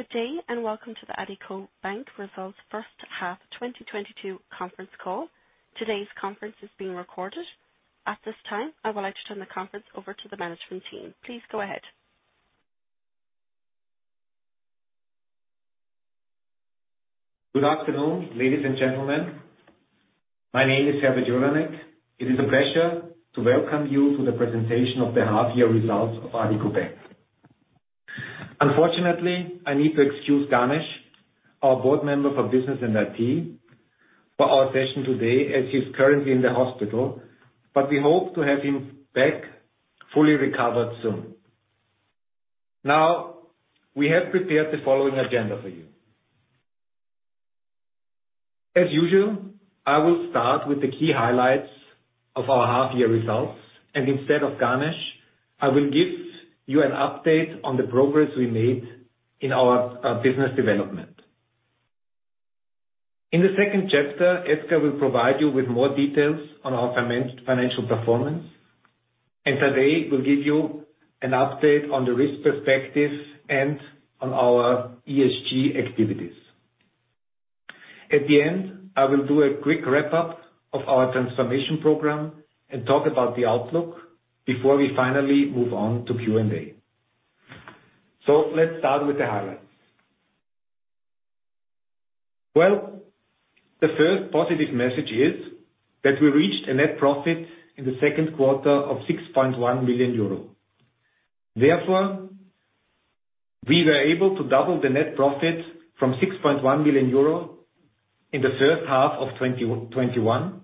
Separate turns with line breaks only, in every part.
Good day, and welcome to the Addiko Bank Results First Half 2022 conference call. Today's conference is being recorded. At this time, I would like to turn the conference over to the management team. Please go ahead.
Good afternoon, ladies and gentlemen. My name is Herbert Juranek. It is a pleasure to welcome you to the presentation of the half-year results of Addiko Bank. Unfortunately, I need to excuse Ganesh, our board member for Business and IT, for our session today as he's currently in the hospital, but we hope to have him back fully recovered soon. Now, we have prepared the following agenda for you. As usual, I will start with the key highlights of our half-year results, and instead of Ganesh, I will give you an update on the progress we made in our business development. In the second chapter, Edgar will provide you with more details on our financial performance, and Tadej will give you an update on the risk perspective and on our ESG activities. At the end, I will do a quick wrap-up of our Transformation Program and talk about the outlook before we finally move on to Q&A. Let's start with the highlights. Well, the first positive message is that we reached a net profit in the second quarter of 6.1 million euro. Therefore, we were able to double the net profit from 6.1 million euro in the first half of 2021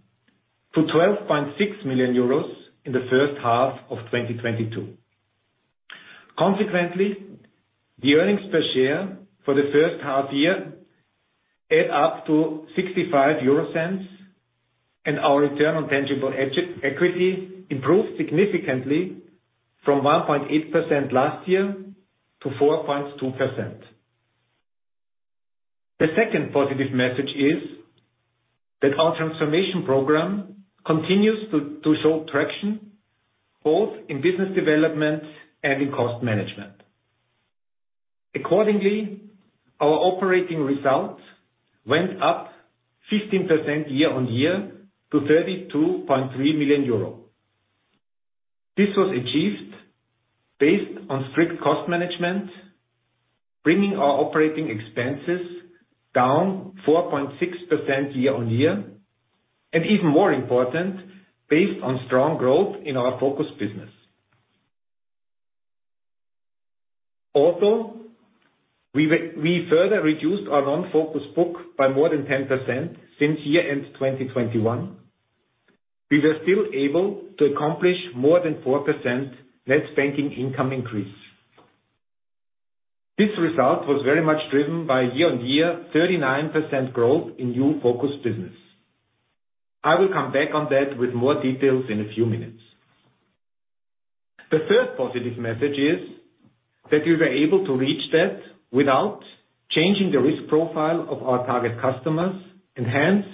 to 12.6 million euros in the first half of 2022. Consequently, the earnings per share for the first half year add up to 0.65, and our return on tangible equity improved significantly from 1.8% last year to 4.2%. The second positive message is that our Transformation Program continues to show traction both in business development and in cost management. Accordingly, our operating results went up 15% year-on-year to 32.3 million euro. This was achieved based on strict cost management, bringing our operating expenses down 4.6% year-on-year, and even more important, based on strong growth in our focus business. We further reduced our non-focus book by more than 10% since year-end 2021. We were still able to accomplish more than 4% less banking income increase. This result was very much driven by year-on-year 39% growth in new focus business. I will come back on that with more details in a few minutes. The third positive message is that we were able to reach that without changing the risk profile of our target customers, and hence,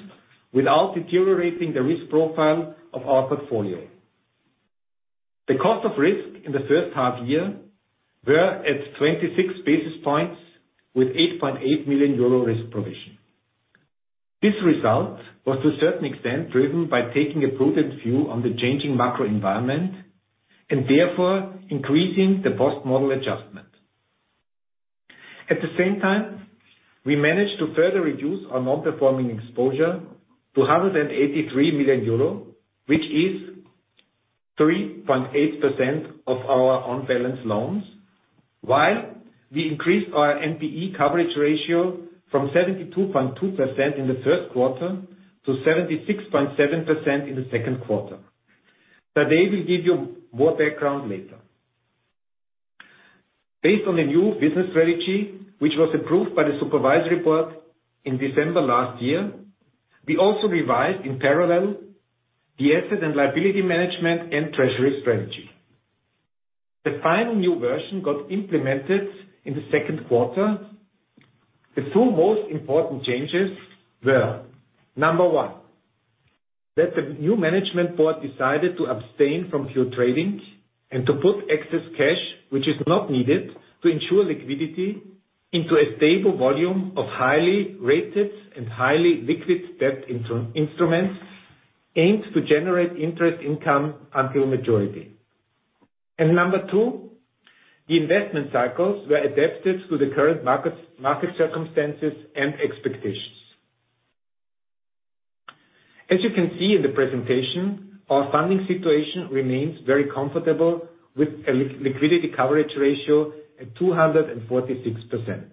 without deteriorating the risk profile of our portfolio. The cost of risk in the first half year were at 26 basis points with 8.8 million euro risk provision. This result was to a certain extent driven by taking a prudent view on the changing macro environment and therefore increasing the post-model adjustment. At the same time, we managed to further reduce our non-performing exposure to 183 million euro, which is 3.8% of our on-balance loans, while we increased our NPE coverage ratio from 72.2% in the first quarter to 76.7% in the second quarter. Tadej will give you more background later. Based on the new business strategy, which was approved by the supervisory board in December last year, we also revised in parallel the asset and liability management and treasury strategy. The final new version got implemented in the second quarter. The two most important changes were: Number one, that the new management board decided to abstain from pure trading and to put excess cash which is not needed to ensure liquidity into a stable volume of highly rated and highly liquid debt instruments aimed to generate interest income until maturity. Number two, the investment cycles were adapted to the current markets, market circumstances and expectations. As you can see in the presentation, our funding situation remains very comfortable with a liquidity coverage ratio at 246%.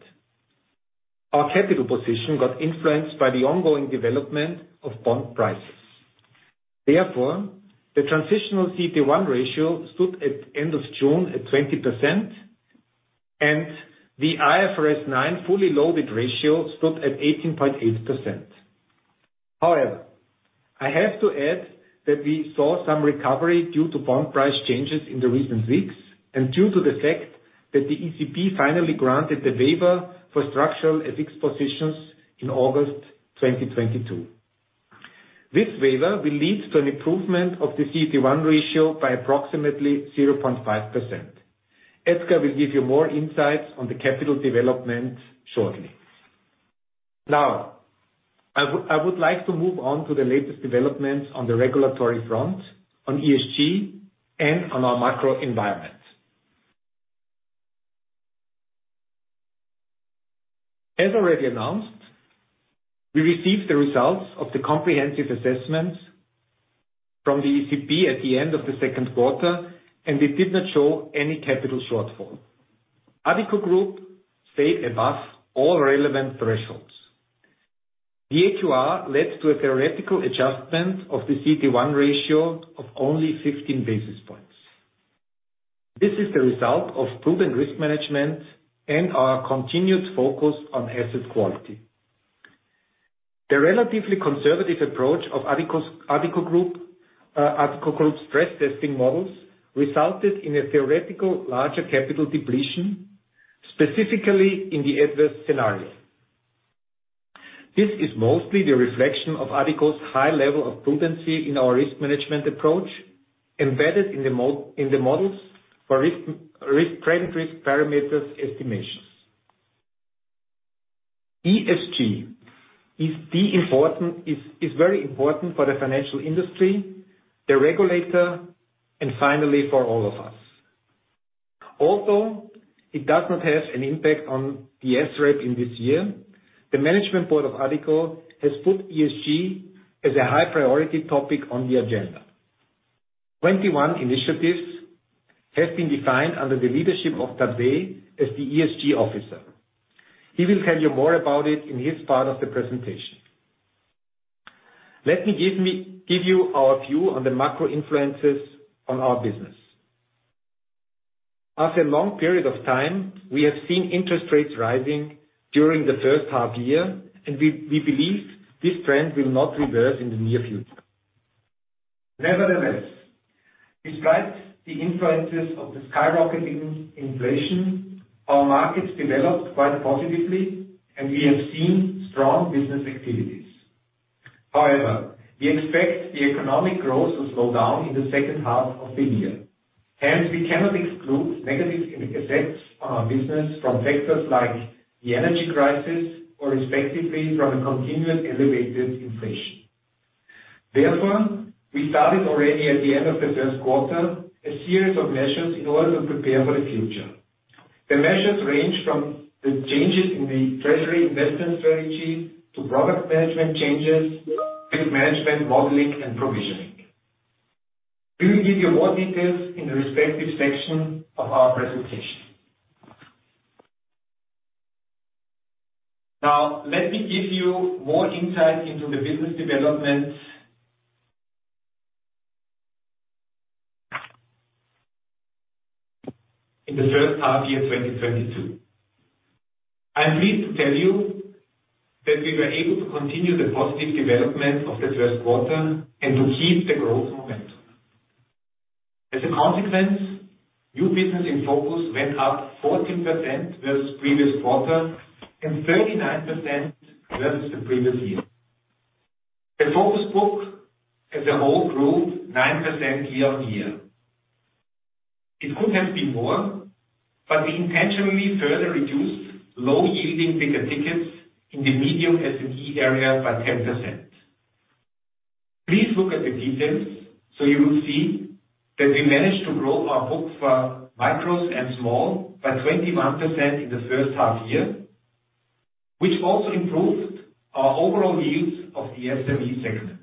Our capital position got influenced by the ongoing development of bond prices. Therefore, the transitional CET1 ratio stood at end of June at 20%, and the IFRS 9 fully loaded ratio stood at 18.8%. However, I have to add that we saw some recovery due to bond price changes in the recent weeks and due to the fact that the ECB finally granted the waiver for structural FX positions in August 2022. This waiver will lead to an improvement of the CET1 ratio by approximately 0.5%. Edgar will give you more insights on the capital development shortly. Now I would like to move on to the latest developments on the regulatory front, on ESG, and on our macro environment. As already announced, we received the results of the Comprehensive Assessments from the ECB at the end of the second quarter, and it did not show any capital shortfall. Addiko Group stay above all relevant thresholds. The AQR led to a theoretical adjustment of the CET1 ratio of only 15 basis points. This is the result of proven risk management and our continued focus on asset quality. The relatively conservative approach of Addiko's, Addiko Group, Addiko Group's stress testing models resulted in a theoretical larger capital depletion, specifically in the adverse scenario. This is mostly the reflection of Addiko's high level of prudence in our risk management approach, embedded in the models for risk parameters estimations. ESG is very important for the financial industry, the regulator, and finally, for all of us. Also, it does not have an impact on the SREP in this year. The management board of Addiko has put ESG as a high priority topic on the agenda. 21 initiatives have been defined under the leadership of Tadej as the ESG officer. He will tell you more about it in his part of the presentation. Let me give you our view on the macro influences on our business. After a long period of time, we have seen interest rates rising during the first half year, and we believe this trend will not reverse in the near future. Nevertheless, despite the influences of the skyrocketing inflation, our markets developed quite positively, and we have seen strong business activities. However, we expect the economic growth to slow down in the second half of the year. Hence, we cannot exclude negative effects on our business from factors like the energy crisis or respectively from a continued elevated inflation. Therefore, we started already at the end of the first quarter, a series of measures in order to prepare for the future. The measures range from the changes in the treasury investment strategy to product management changes, risk management, modeling, and provisioning. We will give you more details in the respective section of our presentation. Now, let me give you more insight into the business development in the first half year, 2022. I am pleased to tell you that we were able to continue the positive development of the first quarter and to keep the growth momentum. As a consequence, new business in focus went up 14% versus previous quarter and 39% versus the previous year. The focus book as a whole group, 9% year-on-year. It could have been more, but we intentionally further reduced low-yielding bigger tickets in the medium SME area by 10%. Please look at the details so you will see that we managed to grow our book for micros and small by 21% in the first half year, which also improved our overall yields of the SME segment.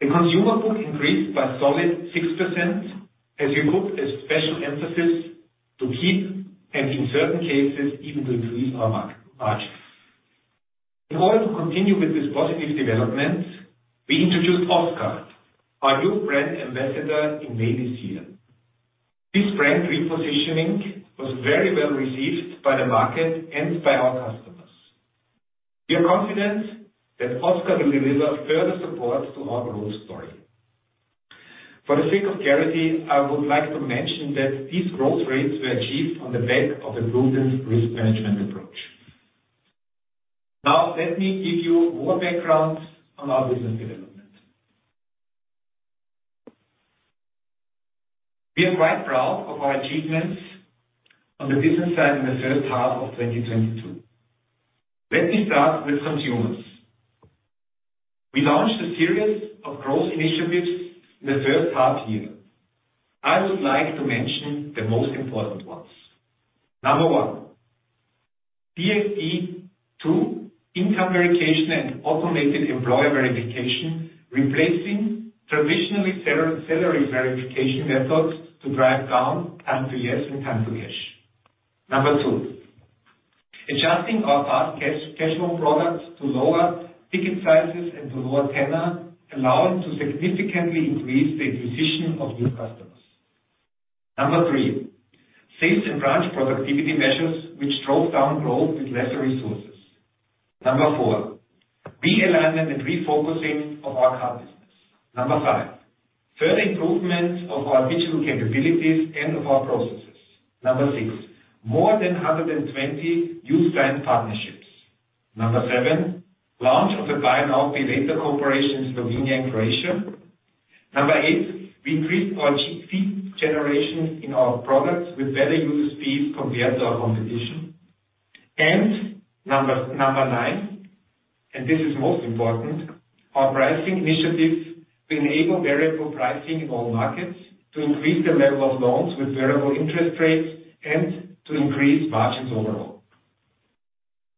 The consumer book increased by solid 6% as we put a special emphasis to keep and in certain cases, even to increase our margins. In order to continue with this positive development, we introduced Oskar, our new brand ambassador in May this year. This brand repositioning was very well received by the market and by our customers. We are confident that Oskar will deliver further support to our growth story. For the sake of clarity, I would like to mention that these growth rates were achieved on the back of a proven risk management approach. Now let me give you more background on our business development. We are quite proud of our achievements on the business side in the second half of 2022. Let me start with consumers. We launched a series of growth initiatives in the first half year. I would like to mention the most important ones. Number one, PSD2 income verification and automated employer verification, replacing traditional salary verification methods to drive down time-to-yes and time-to-cash. Number two, adjusting our fast cash cashflow product to lower ticket sizes and to lower tenor, allowing to significantly increase the acquisition of new customers. Number three, sales and branch productivity measures, which drove down growth with lesser resources. Number four, realignment and refocusing of our card business. Number five, Further improvement of our digital capabilities and of our processes. Number six, more than 120 new client partnerships. Number seven, launch of the Buy Now Pay Later cooperation in Slovenia and Croatia. Number eight, we increased our fee generation in our products with better user fees compared to our competition. Number nine, and this is most important, our pricing initiatives to enable variable pricing in all markets to increase the level of loans with variable interest rates and to increase margins overall.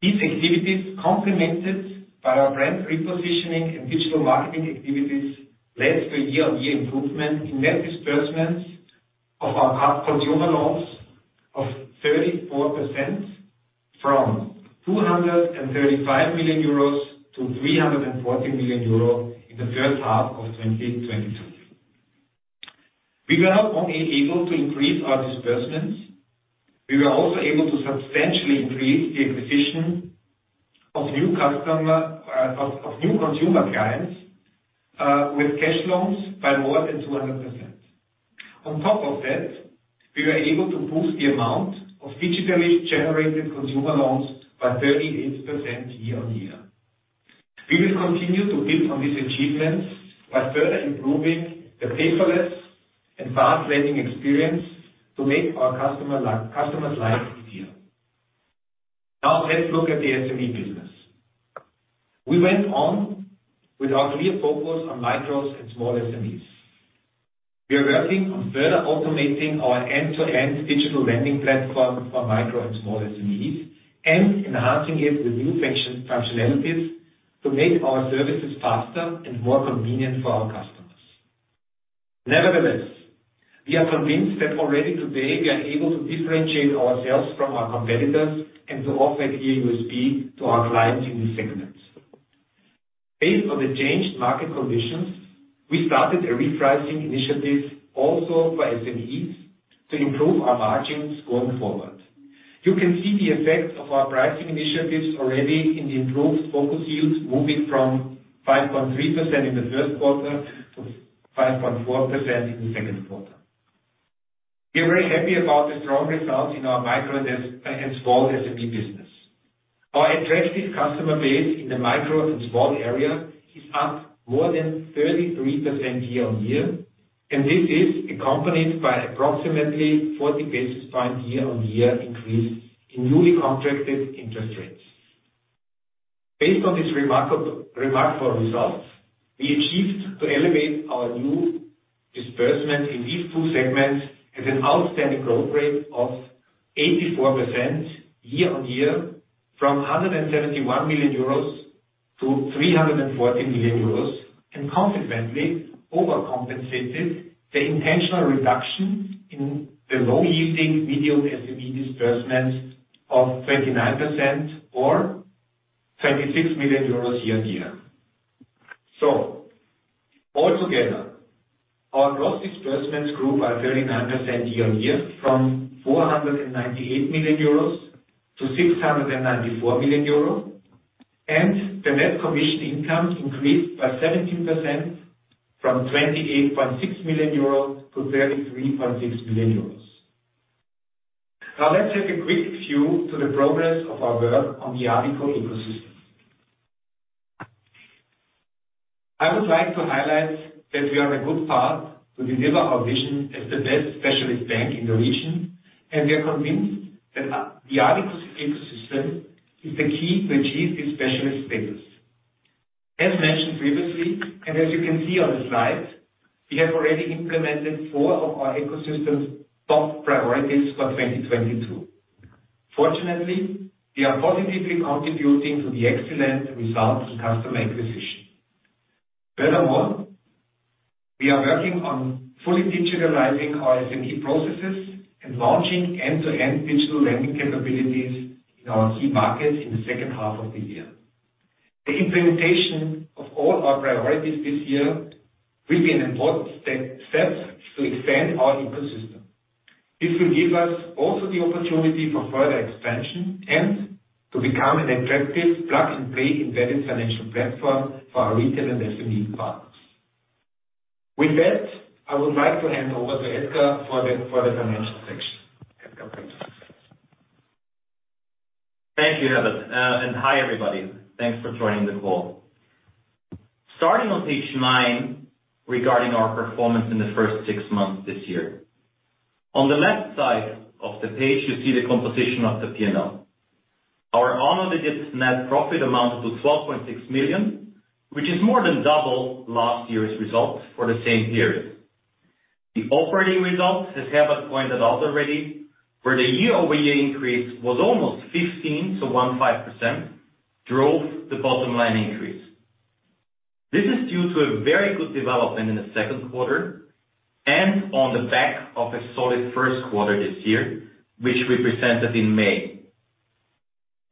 These activities, complemented by our brand repositioning and digital marketing activities, led to a year-on-year improvement in net disbursements of our consumer loans of 34% from 235 million-340 million euros in the first half of 2022. We were not only able to increase our disbursements, we were also able to substantially increase the acquisition of new consumer clients with cash loans by more than 200%. On top of that, we were able to boost the amount of digitally generated consumer loans by 38% year-on-year. We will continue to build on these achievements by further improving the paperless and fast lending experience to make our customer's life easier. Now let's look at the SME business. We went on with our clear focus on micros and small SMEs. We are working on further automating our end-to-end digital lending platform for micro and small SMEs and enhancing it with new functionalities to make our services faster and more convenient for our customers. Nevertheless, we are convinced that already today we are able to differentiate ourselves from our competitors and to offer a clear USP to our clients in this segment. Based on the changed market conditions, we started a repricing initiative also for SMEs to improve our margins going forward. You can see the effects of our pricing initiatives already in the improved focus yields moving from 5.3% in the first quarter to 5.4% in the second quarter. We are very happy about the strong results in our micro and small SME business. Our attractive customer base in the micro and small area is up more than 33% year-on-year, and this is accompanied by approximately 40 basis points year-on-year increase in newly contracted interest rates. Based on these remarkable results, we achieved to elevate our new disbursement in these two segments as an outstanding growth rate of 84% year-on-year, from 171 million-314 million euros, and consequently overcompensated the intentional reduction in the low-yielding medium SME disbursements of 29% or 26 million euros year-on-year. All together, our gross disbursements grew by 39% year-on-year from 498 million-694 million euros, and the net commission income increased by 17% from 28.6 million-33.6 million euros. Now let's take a quick view to the progress of our work on the Addiko Ecosystem. I would like to highlight that we are on a good path to deliver our vision as the best specialist bank in the region, and we are convinced that the Addiko Ecosystem is the key to achieve this specialist status. As mentioned previously, and as you can see on the slide, we have already implemented four of our ecosystem's top priorities for 2022. Fortunately, we are positively contributing to the excellent results in customer acquisition. Furthermore, we are working on fully digitalizing our SME processes and launching end-to-end digital lending capabilities in our key markets in the second half of the year. The implementation of all our priorities this year will be an important step to expand our Ecosystem. This will give us also the opportunity for further expansion and to become an attractive plug-and-play embedded financial platform for our retail and SME partners. With that, I would like to hand over to Edgar for the financial section. Edgar, please.
Thank you, Herbert. Hi, everybody. Thanks for joining the call. Starting on page nine regarding our performance in the first six months this year. On the left side of the page, you see the composition of the P&L. Our audited net profit amounted to 12.6 million, which is more than double last year's results for the same period. The operating results, as Herbert pointed out already, where the year-over-year increase was almost 15%, drove the bottom-line increase. This is due to a very good development in the second quarter and on the back of a solid first quarter this year, which we presented in May.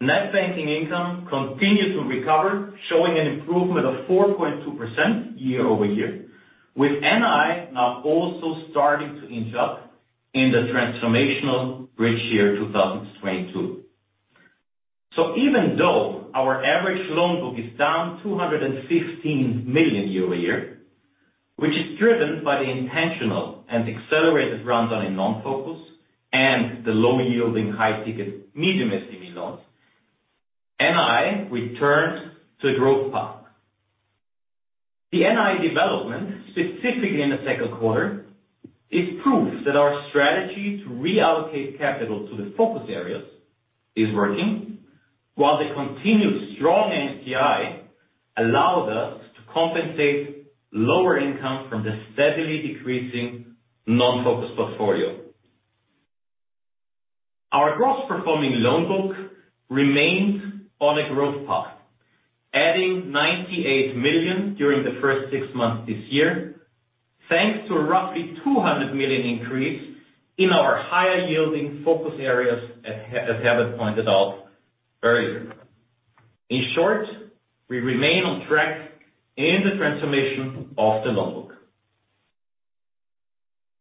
Net banking income continued to recover, showing an improvement of 4.2% year-over-year, with NII now also starting to inch up in the transformational bridge year 2022. Even though our average loan book is down 215 million euro year-over-year, which is driven by the intentional and accelerated rundown in non-focus and the low yielding high ticket medium SME loans, NII returns to a growth path. The NII development, specifically in the second quarter, is proof that our strategy to reallocate capital to the focus areas is working, while the continued strong NCI allowed us to compensate lower income from the steadily decreasing non-focus portfolio. Our gross performing loan book remains on a growth path, adding 98 million during the first six months this year, thanks to a roughly 200 million increase in our higher yielding focus areas, as Herbert pointed out earlier. In short, we remain on track in the transformation of the loan book.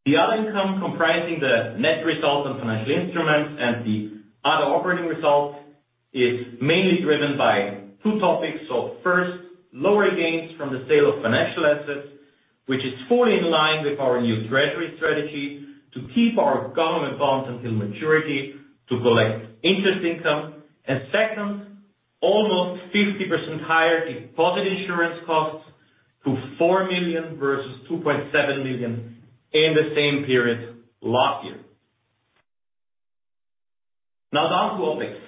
The other income comprising the net result on financial instruments and the other operating results is mainly driven by two topics. First, lower gains from the sale of financial assets, which is fully in line with our new treasury strategy to keep our government bonds until maturity to collect interest income. Second, almost 50% higher deposit insurance costs to 4 million versus 2.7 million in the same period last year. Now down to OpEx.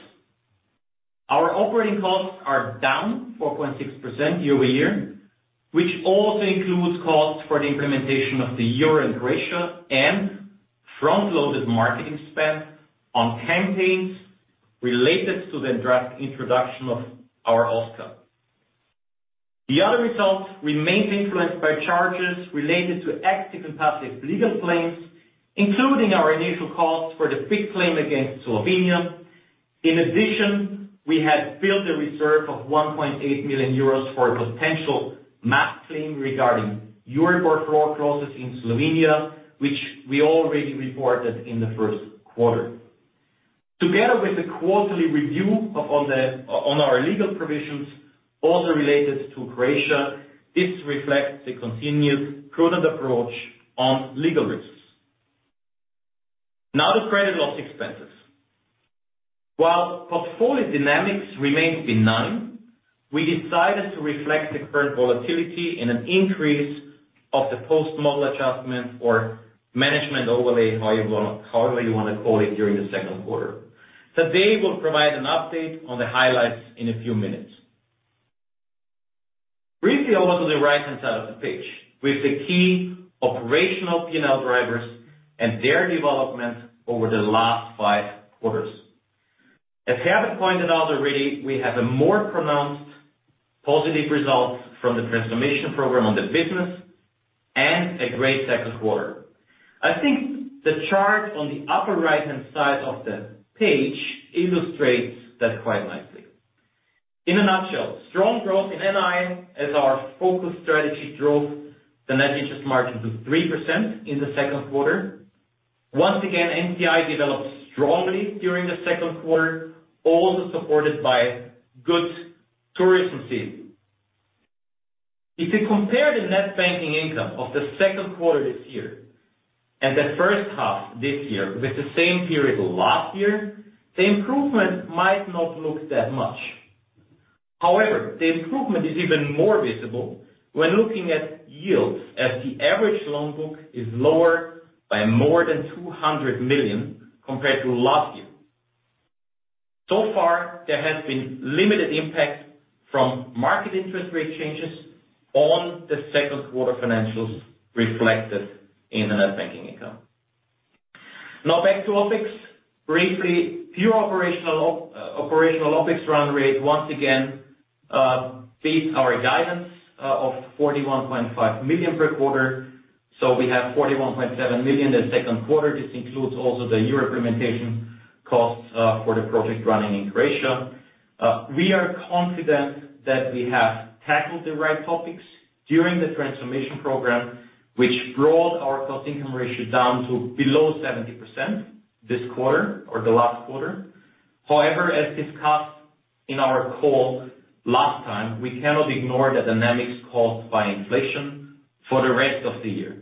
Our operating costs are down 4.6% year-over-year, which also includes costs for the implementation of the Euro in Croatia and front-loaded marketing spend on campaigns related to the introduction of our Oskar. The other results remain influenced by charges related to active and passive legal claims, including our initial costs for the big claim against Slovenia. In addition, we have built a reserve of 1.8 million euros for a potential mass claim regarding Euribor floor clauses in Slovenia, which we already reported in the first quarter. Together with the quarterly review of our legal provisions also related to Croatia, this reflects the continued prudent approach on legal risks. Now the credit loss expenses. While portfolio dynamics remained benign, we decided to reflect the current volatility in an increase of the post-model adjustment or management overlay, however you wanna call it, during the second quarter. Tadej will provide an update on the highlights in a few minutes. Briefly, over to the right-hand side of the page with the key operational P&L drivers and their development over the last five quarters. As Herbert pointed out already, we have a more pronounced positive results from the transformation program on the business and a great second quarter. I think the chart on the upper right-hand side of the page illustrates that quite nicely. In a nutshell, strong growth in NII as our focus strategy drove the net interest margin to 3% in the second quarter. Once again, NCI developed strongly during the second quarter, also supported by good tourism season. If you compare the net banking income of the second quarter this year and the first half this year with the same period last year, the improvement might not look that much. However, the improvement is even more visible when looking at yields, as the average loan book is lower by more than 200 million compared to last year. So far, there has been limited impact from market interest rate changes on the second quarter financials reflected in the net banking income. Now back to OpEx. Briefly, pure operational OpEx run rate once again beat our guidance of 41.5 million per quarter. We have 41.7 million the second quarter. This includes also the Euro implementation costs for the project running in Croatia. We are confident that we have tackled the right topics during the transformation program, which brought our cost-income ratio down to below 70% this quarter or the last quarter. However, as discussed in our call last time, we cannot ignore the dynamics caused by inflation for the rest of the year.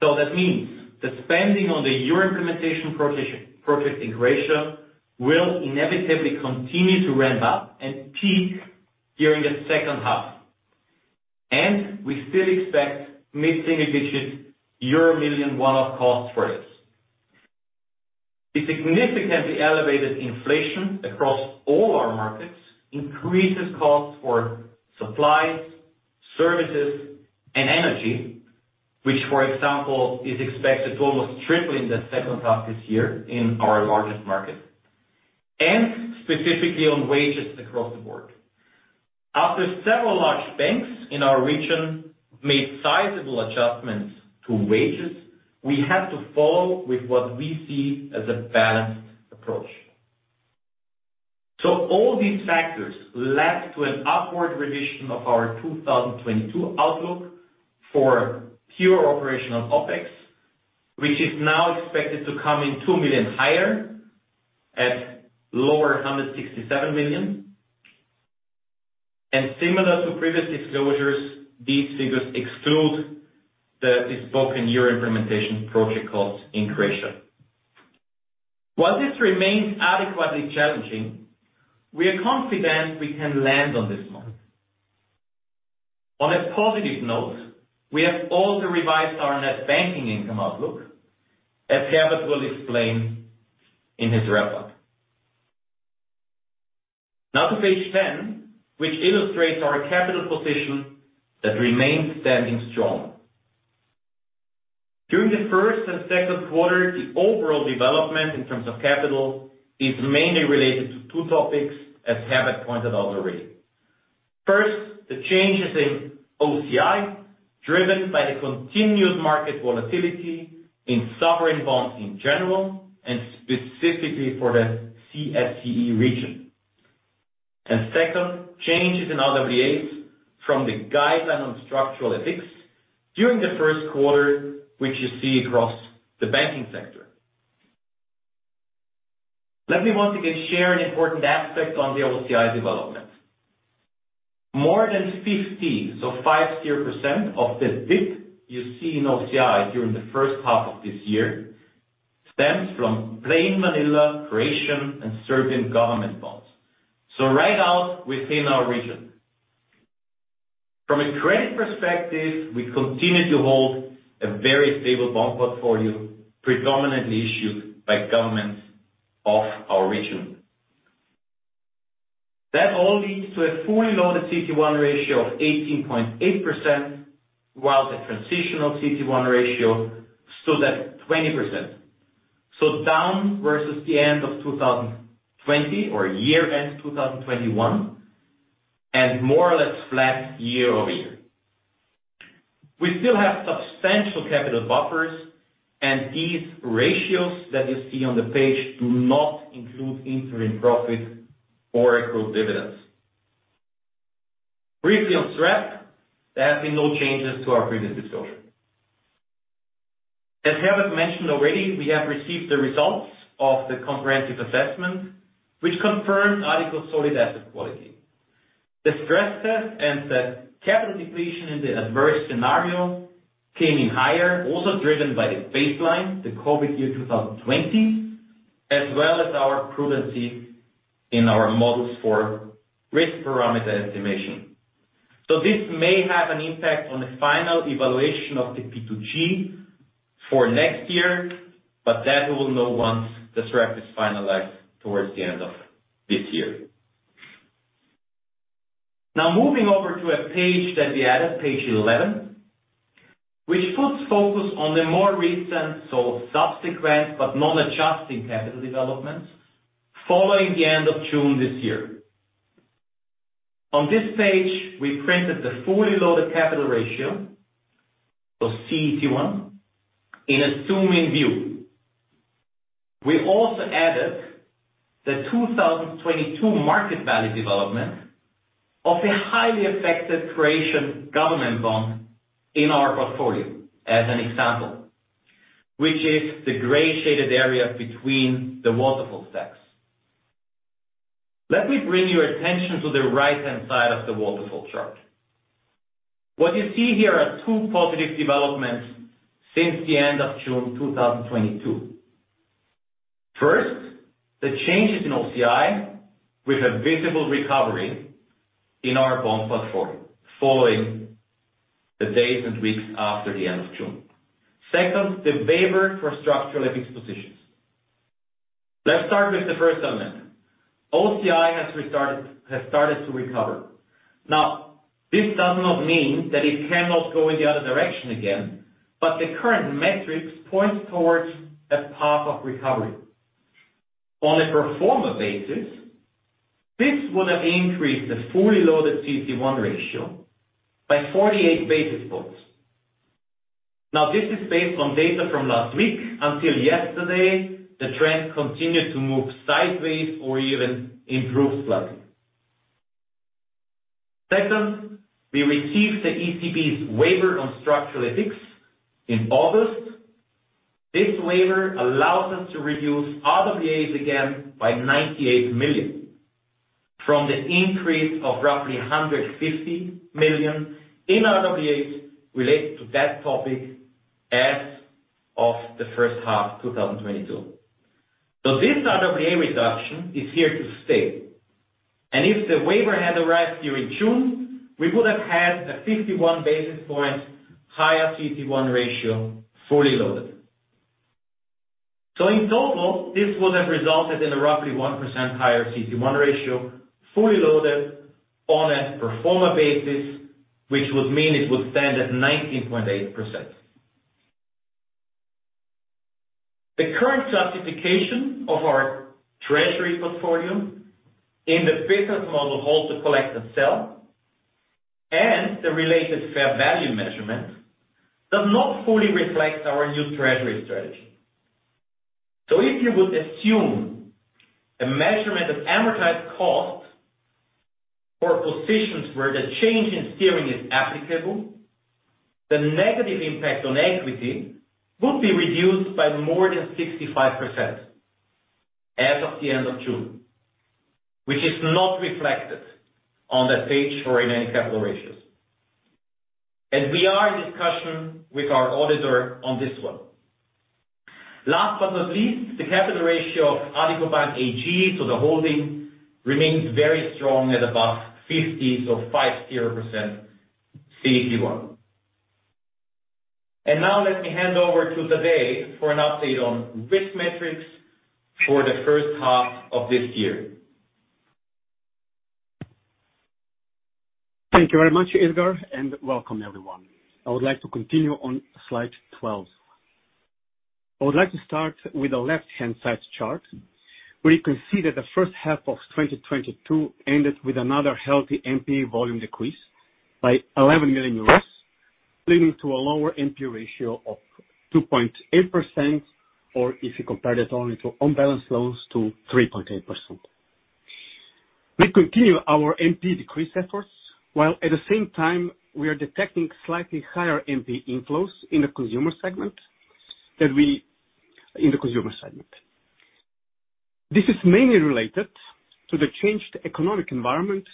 That means the spending on the Euro implementation project in Croatia will inevitably continue to ramp up and peak during the second half. We still expect mid-single digit euro million one-off costs for this. The significantly elevated inflation across all our markets increases costs for supplies, services and energy, which, for example, is expected to almost triple in the second half this year in our largest markets, and specifically on wages across the board. After several large banks in our region made sizable adjustments to wages, we had to follow with what we see as a balanced approach. All these factors led to an upward revision of our 2022 outlook for pure operational OpEx, which is now expected to come in 2 million higher at lower 167 million. Similar to previous disclosures, these figures exclude the Euro implementation project costs in Croatia. While this remains adequately challenging, we are confident we can land on this month. On a positive note, we have also revised our net banking income outlook, as Herbert will explain in his wrap-up. Now to page 10, which illustrates our capital position that remains standing strong. During the first and second quarter, the overall development in terms of capital is mainly related to two topics, as Herbert pointed out already. First, the changes in OCI, driven by the continued market volatility in sovereign bonds in general and specifically for the CSEE region. Second, changes in RWAs from the guideline on structural FX during the first quarter, which you see across the banking sector. Let me once again share an important aspect on the OCI development. More than 50%, so 50% of the dip you see in OCI during the first half of this year stems from plain vanilla, Croatian and Serbian government bonds, so right out within our region. From a credit perspective, we continue to hold a very stable bond portfolio, predominantly issued by governments of our region. That all leads to a fully loaded CET1 ratio of 18.8%, while the transitional CET1 ratio stood at 20%. Down versus the end of 2020 or year-end 2021, and more or less flat year-over-year. We still have substantial capital buffers, and these ratios that you see on the page do not include interim profit or accrued dividends. Briefly on SREP, there have been no changes to our previous disclosure. As Herbert mentioned already, we have received the results of the Comprehensive Assessment, which confirms Addiko's solid asset quality. The stress test and the capital depletion in the adverse scenario came in higher, also driven by the baseline, the COVID year 2020, as well as our prudency in our models for risk parameter estimation. This may have an impact on the final evaluation of the P2G for next year, but that we will know once the SREP is finalized towards the end of this year. Now moving over to a page that we added, page 11, which puts focus on the more recent, so subsequent but non-adjusting capital developments following the end of June this year. On this page, we printed the fully loaded capital ratio of CET1 in a zooming view. We also added the 2022 market value development of a highly affected Croatian government bond in our portfolio as an example, which is the grey shaded area between the waterfall stacks. Let me bring your attention to the right-hand side of the waterfall chart. What you see here are two positive developments since the end of June 2022. First, the changes in OCI with a visible recovery in our bond portfolio following the days and weeks after the end of June. Second, the waiver for structural FX positions. Let's start with the first element. OCI has started to recover. This does not mean that it cannot go in the other direction again, but the current metrics point towards a path of recovery. On a pro forma basis, this would have increased the fully loaded CET1 ratio by 48 basis points. This is based on data from last week until yesterday. The trend continued to move sideways or even improved slightly. Second, we received the ECB's waiver on structural FX in August. This waiver allows us to reduce RWAs again by 98 million from the increase of roughly 150 million in RWAs related to that topic as of the first half 2022. This RWA reduction is here to stay, and if the waiver had arrived during June, we would have had a 51 basis point higher CET1 ratio fully loaded. In total, this would have resulted in a roughly 1% higher CET1 ratio fully loaded on a pro forma basis, which would mean it would stand at 19.8%. The current classification of our treasury portfolio in the business model hold to collect and sell and the related fair value measurement does not fully reflect our new treasury strategy. If you would assume a measurement of amortized cost for positions where the change in steering is applicable, the negative impact on equity would be reduced by more than 65% as of the end of June, which is not reflected on that page or in any capital ratios. We are in discussion with our auditor on this one. Last but not least, the capital ratio of Addiko Bank AG, so the holding remains very strong at above 50, so 50% CET1. Now let me hand over to Tadej for an update on risk metrics for the first half of this year.
Thank you very much, Edgar, and welcome everyone. I would like to continue on slide 12. I would like to start with the left-hand side chart, where you can see that the first half of 2022 ended with another healthy NPE volume decrease by 11 million euros, leading to a lower NPE ratio of 2.8%, or if you compare that only to on-balance loans, to 3.8%. We continue our NPE decrease efforts, while at the same time we are detecting slightly higher NPE inflows in the consumer segment. This is mainly related to the changed economic environment,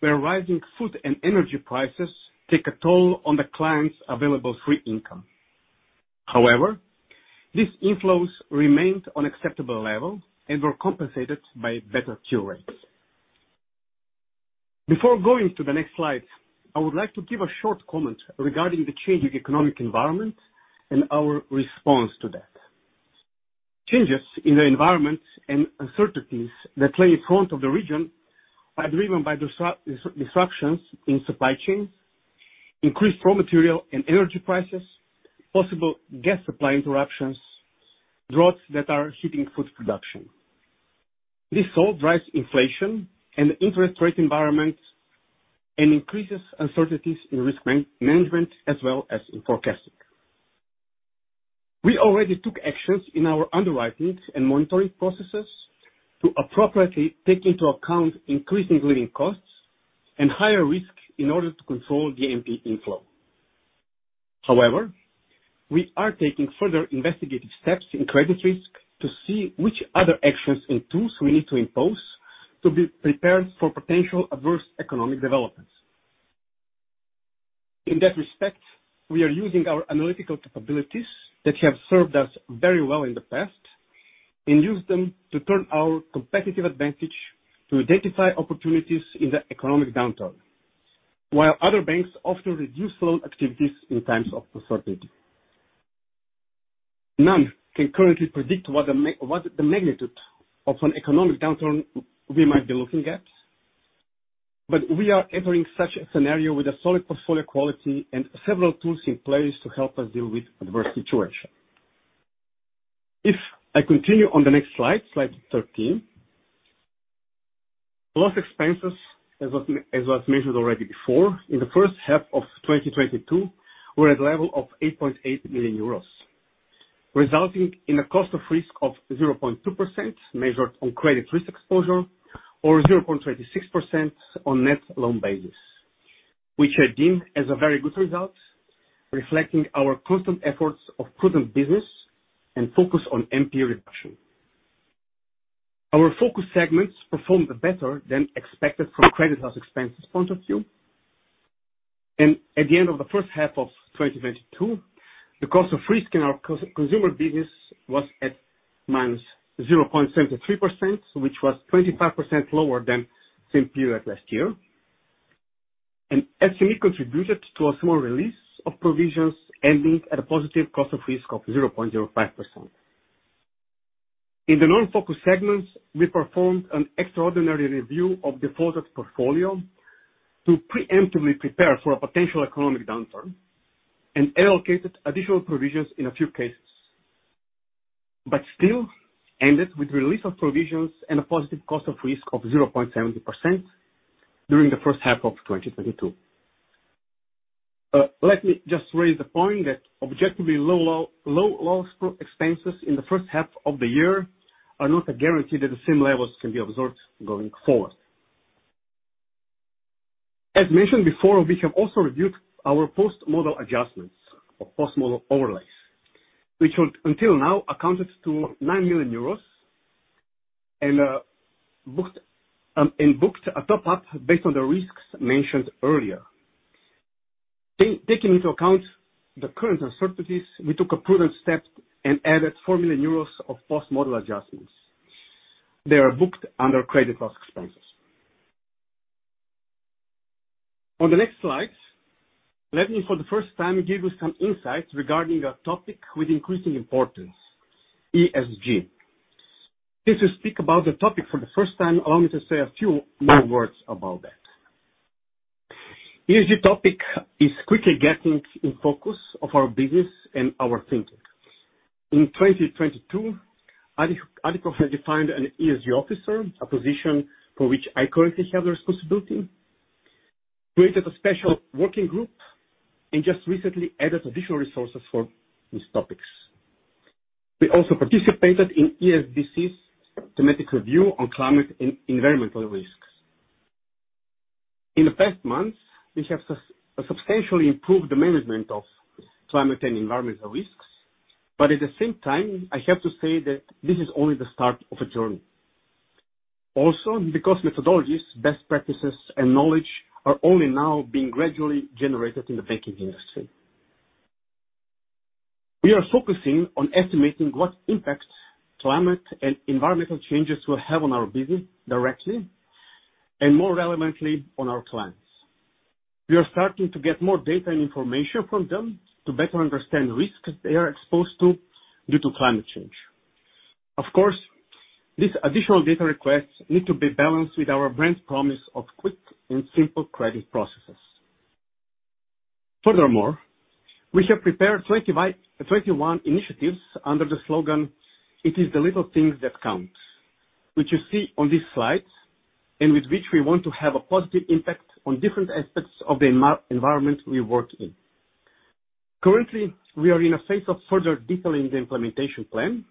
where rising food and energy prices take a toll on the client's available free income. However, these inflows remained at an acceptable level and were compensated by better cure rates. Before going to the next slide, I would like to give a short comment regarding the change in economic environment and our response to that. Changes in the environment and uncertainties that lay in front of the region are driven by disruptions in supply chains, increased raw material and energy prices, possible gas supply interruptions, droughts that are hitting food production. This all drives inflation and interest rate environment and increases uncertainties in risk management as well as in forecasting. We already took actions in our underwriting and monitoring processes to appropriately take into account increasing living costs and higher risk in order to control the NPE inflow. However, we are taking further investigative steps in credit risk to see which other actions and tools we need to impose to be prepared for potential adverse economic developments. In that respect, we are using our analytical capabilities that have served us very well in the past and use them to turn our competitive advantage to identify opportunities in the economic downturn. While other banks often reduce loan activities in times of uncertainty. None can currently predict what the magnitude of an economic downturn we might be looking at. We are entering such a scenario with a solid portfolio quality and several tools in place to help us deal with adverse situation. If I continue on the next slide 13. Loss expenses, as was mentioned already before, in the first half of 2022 were at level of 8.8 million euros, resulting in a cost of risk of 0.2% measured on credit risk exposure or 0.26% on net loan basis. Which are deemed as a very good result, reflecting our constant efforts of prudent business and focus on NPE reduction. Our focus segments performed better than expected from a credit loss expenses point of view. At the end of the first half of 2022, the cost of risk in our consumer business was at -0.73%, which was 25% lower than same period last year. SME contributed to a small release of provisions, ending at a positive cost of risk of 0.05%. In the non-focus segments, we performed an extraordinary review of defaulted portfolio to preemptively prepare for a potential economic downturn and allocated additional provisions in a few cases. Still ended with release of provisions and a positive cost of risk of 0.70% during the first half of 2022. Let me just raise the point that objectively low loss expenses in the first half of the year are not a guarantee that the same levels can be observed going forward. As mentioned before, we have also reviewed our post-model adjustments or post-model overlays, which until now amounted to 9 million euros and booked a top-up based on the risks mentioned earlier. Taking into account the current uncertainties, we took a prudent step and added 4 million euros of post-model adjustments. They are booked under credit loss expenses. On the next slide, let me, for the first time, give you some insights regarding a topic with increasing importance, ESG. Since we speak about the topic for the first time, allow me to say a few more words about that. ESG topic is quickly getting in focus of our business and our thinking. In 2022, Addiko had defined an ESG officer, a position for which I currently have the responsibility, created a special working group, and just recently added additional resources for these topics. We also participated in ECB's thematic review on climate and environmental risks. In the past months, we have substantially improved the management of climate and environmental risks, but at the same time, I have to say that this is only the start of a journey. Also, because methodologies, best practices, and knowledge are only now being gradually generated in the banking industry. We are focusing on estimating what impact climate and environmental changes will have on our business directly and more relevantly on our clients. We are starting to get more data and information from them to better understand risks they are exposed to due to climate change. Of course, these additional data requests need to be balanced with our brand promise of quick and simple credit processes. Furthermore, we have prepared 21 initiatives under the slogan, "It is the little things that count," which you see on this slide, and with which we want to have a positive impact on different aspects of the market environment we work in. Currently, we are in a phase of further detailing the implementation plan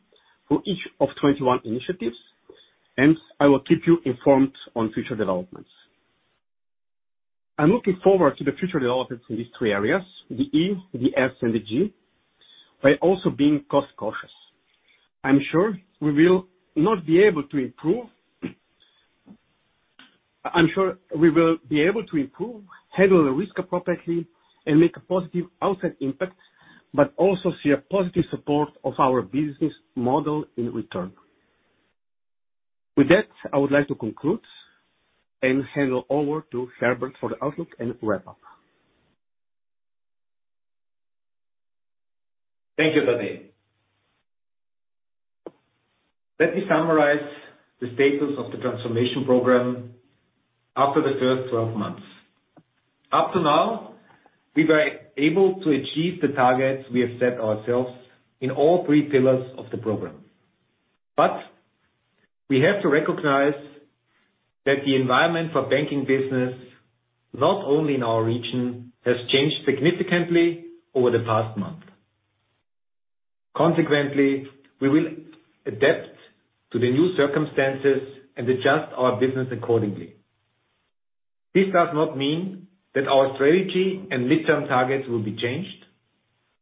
for each of 21 initiatives, and I will keep you informed on future developments. I'm looking forward to the future developments in these three areas, the E, the S, and the G, by also being cost-conscious. I'm sure we will be able to improve, handle the risk appropriately, and make a positive outside impact, but also see a positive support of our business model in return. With that, I would like to conclude and hand over to Herbert for the outlook and wrap-up.
Thank you, Tadej. Let me summarize the status of the transformation program after the first 12 months. Up to now, we were able to achieve the targets we have set ourselves in all three pillars of the program. We have to recognize that the environment for banking business, not only in our region, has changed significantly over the past month. Consequently, we will adapt to the new circumstances and adjust our business accordingly. This does not mean that our strategy and midterm targets will be changed,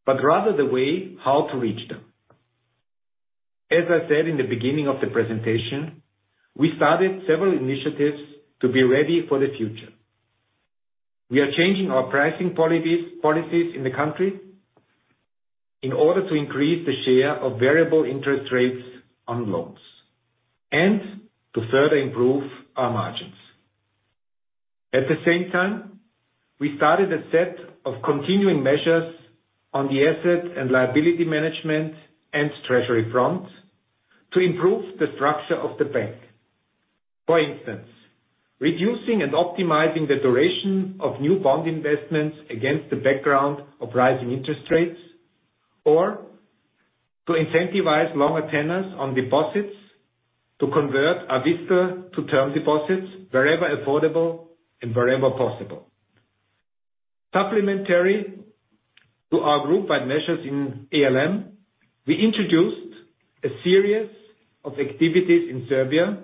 but rather the way how to reach them. As I said in the beginning of the presentation, we started several initiatives to be ready for the future. We are changing our pricing policies in the country in order to increase the share of variable interest rates on loans and to further improve our margins. At the same time, we started a set of continuing measures on the asset and liability management and treasury front to improve the structure of the bank. For instance, reducing and optimizing the duration of new bond investments against the background of rising interest rates, or to incentivize long tenures on deposits to convert a-vista to term deposits wherever affordable and wherever possible. Supplementary to our groupwide measures in ALM, we introduced a series of activities in Serbia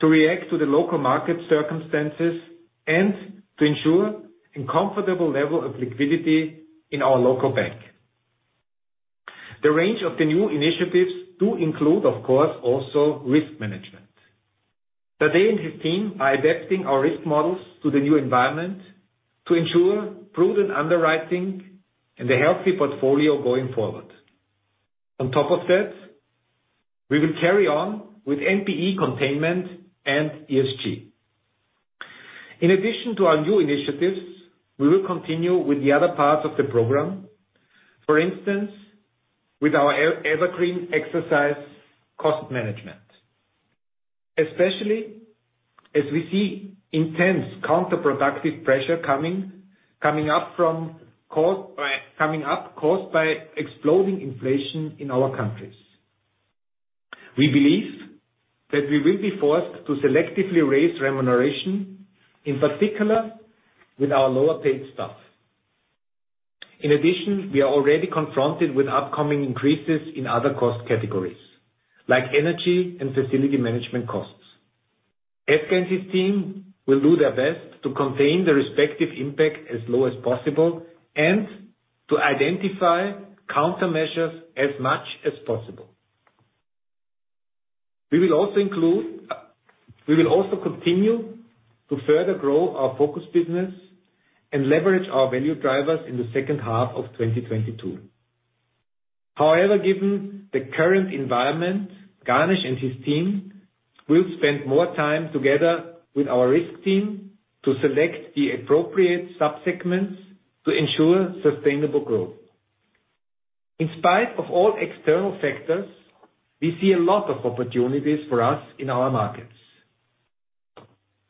to react to the local market circumstances and to ensure a comfortable level of liquidity in our local bank. The range of the new initiatives do include, of course, also risk management. Tadej and his team are adapting our risk models to the new environment to ensure prudent underwriting and a healthy portfolio going forward. On top of that, we will carry on with NPE containment and ESG. In addition to our new initiatives, we will continue with the other parts of the program. For instance, with our evergreen exercise cost management, especially as we see intense cost pressure coming up caused by exploding inflation in our countries. We believe that we will be forced to selectively raise remuneration, in particular with our lower-paid staff. In addition, we are already confronted with upcoming increases in other cost categories like energy and facility management costs. Edgar and his team will do their best to contain the respective impact as low as possible and to identify countermeasures as much as possible. We will also continue to further grow our focus business and leverage our value drivers in the second half of 2022. However, given the current environment, Ganesh and his team will spend more time together with our risk team to select the appropriate sub-segments to ensure sustainable growth. In spite of all external factors, we see a lot of opportunities for us in our markets.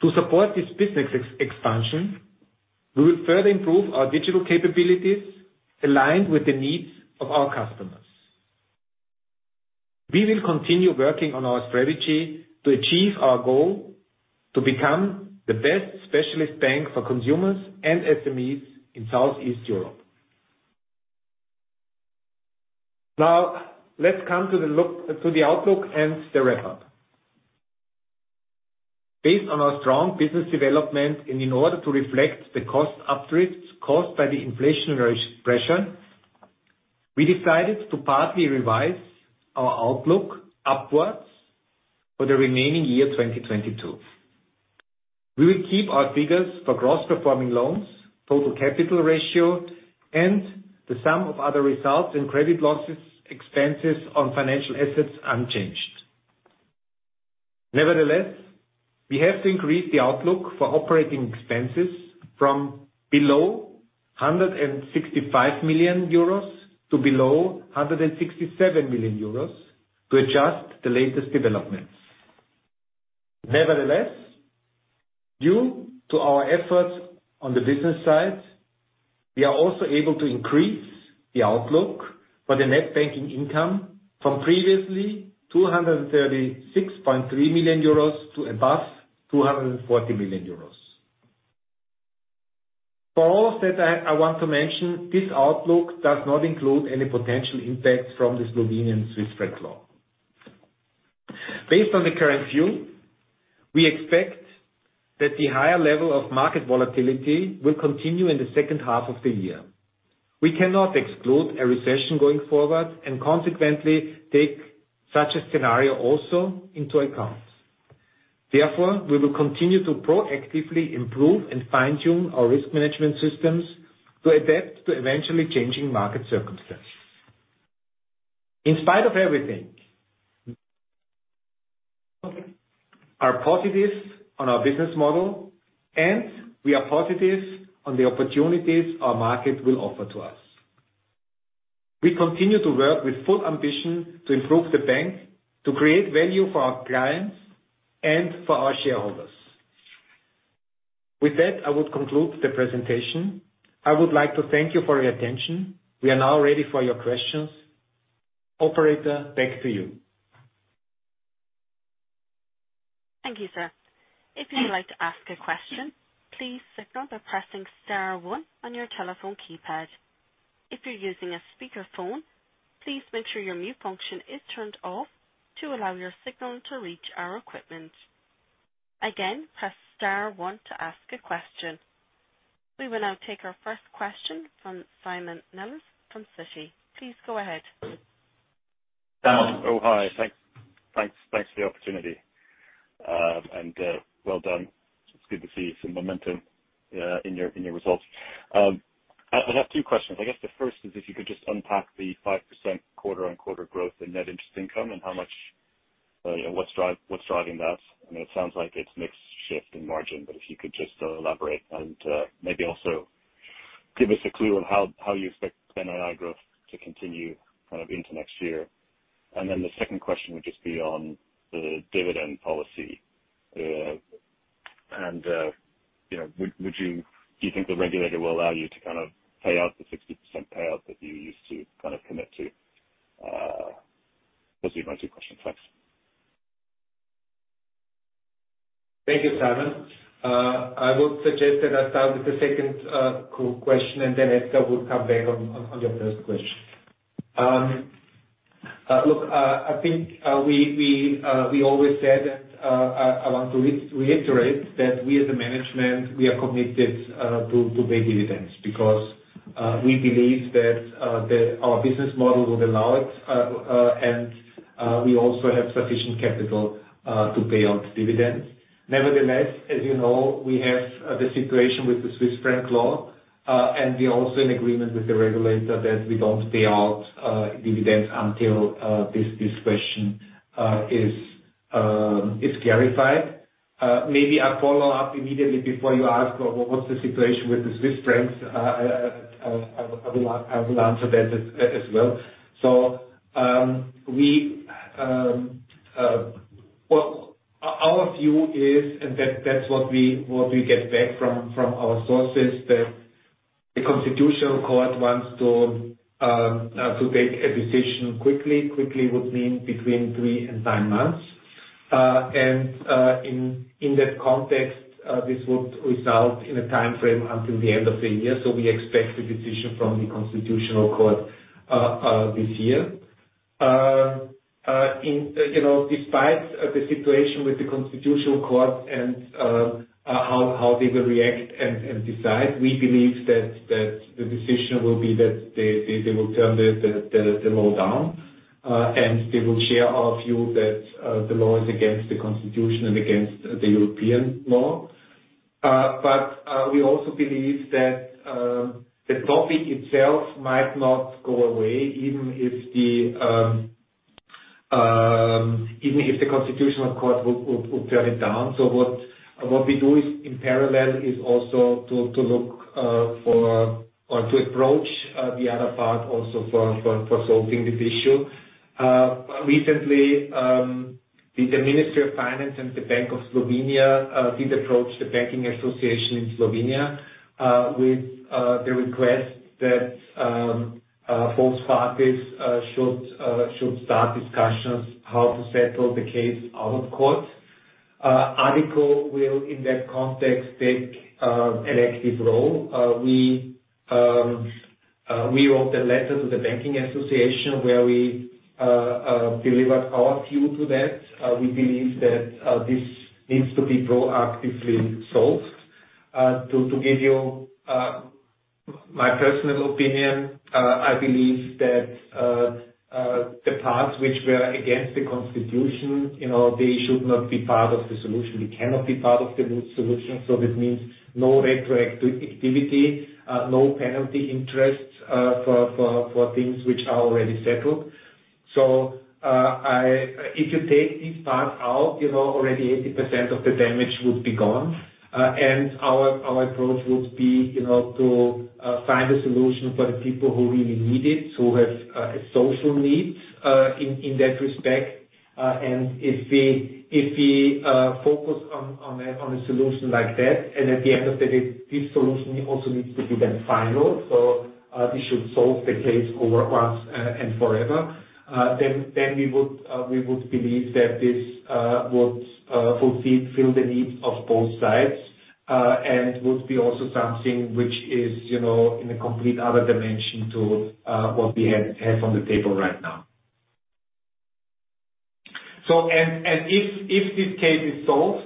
To support this business expansion, we will further improve our digital capabilities aligned with the needs of our customers. We will continue working on our strategy to achieve our goal to become the best specialist bank for consumers and SMEs in Southeast Europe. Now, let's come to the outlook and the wrap-up. Based on our strong business development, in order to reflect the cost uplifts caused by the inflationary pressure, we decided to partly revise our outlook upwards for the remaining year 2022. We will keep our figures for gross performing loans, total capital ratio, and the sum of other results and credit losses expenses on financial assets unchanged. Nevertheless, we have to increase the outlook for operating expenses from below 165 million euros to below 167 million euros to adjust the latest developments. Nevertheless, due to our efforts on the business side, we are also able to increase the outlook for the net banking income from previously 236.3 million euros to above 240 million euros. For all of that, I want to mention, this outlook does not include any potential impact from the Slovenian Swiss franc law. Based on the current view, we expect that the higher level of market volatility will continue in the second half of the year. We cannot exclude a recession going forward and consequently take such a scenario also into account. Therefore, we will continue to proactively improve and fine-tune our risk management systems to adapt to eventually changing market circumstances. In spite of everything, there are positives on our business model, and we are positive on the opportunities our market will offer to us. We continue to work with full ambition to improve the bank, to create value for our clients and for our shareholders. With that, I would conclude the presentation. I would like to thank you for your attention. We are now ready for your questions. Operator, back to you.
Thank you, sir. If you would like to ask a question, please signal by pressing star one on your telephone keypad. If you're using a speakerphone, please make sure your mute function is turned off to allow your signal to reach our equipment. Again, press star one to ask a question. We will now take our first question from Simon Nellis from Citi. Please go ahead.
Hi. Thanks for the opportunity. Well done. It's good to see some momentum in your results. I have two questions. I guess the first is if you could just unpack the 5% quarter-on-quarter growth in net interest income and how much what's driving that. I mean, it sounds like it's mix shift in margin, but if you could just elaborate and maybe also give us a clue on how you expect NII growth to continue kind of into next year. The second question would just be on the dividend policy. Do you think the regulator will allow you to kind of pay out the 60% payout that you used to kind of commit to? Those are my two questions. Thanks.
Thank you, Simon. I would suggest that I start with the second question, and then Edgar will come back on your first question. Look, I think we always said that I want to reiterate that we as a management are committed to pay dividends because we believe that our business model would allow it, and we also have sufficient capital to pay out dividends. Nevertheless, as you know, we have the situation with the Swiss franc law, and we are also in agreement with the regulator that we don't pay out dividends until this question is clarified. Maybe I follow up immediately before you ask what's the situation with the Swiss francs? I will answer that as well. Our view is, and that's what we get back from our sources, that the Constitutional Court wants to make a decision quickly. Quickly would mean between three and nine months. In that context, this would result in a timeframe until the end of the year. We expect the decision from the Constitutional Court this year. You know, despite the situation with the Constitutional Court and how they will react and decide, we believe that the decision will be that they will turn the law down, and they will share our view that the law is against the Constitution and against the European law. But we also believe that the topic itself might not go away even if the Constitutional Court will turn it down. What we do is in parallel is also to look for or to approach the other part also for solving this issue. Recently, the Ministry of Finance and the Bank of Slovenia did approach the banking association in Slovenia with the request that both parties should start discussions how to settle the case out of court. Addiko will in that context take an active role. We wrote a letter to the banking association where we delivered our view to that. We believe that this needs to be proactively solved. To give you my personal opinion, I believe that the parts which were against the constitution, you know, they should not be part of the solution. They cannot be part of the resolution. This means no retroactivity, no penalty interest for things which are already settled. If you take these parts out, you know, already 80% of the damage would be gone. Our approach would be, you know, to find a solution for the people who really need it, who have social needs in that respect. If we focus on a solution like that, and at the end of the day this solution also needs to be then final, this should solve the case over once and forever, then we would believe that this would fulfill the needs of both sides. Would be also something which is, you know, in a complete other dimension to what we have on the table right now. If this case is solved,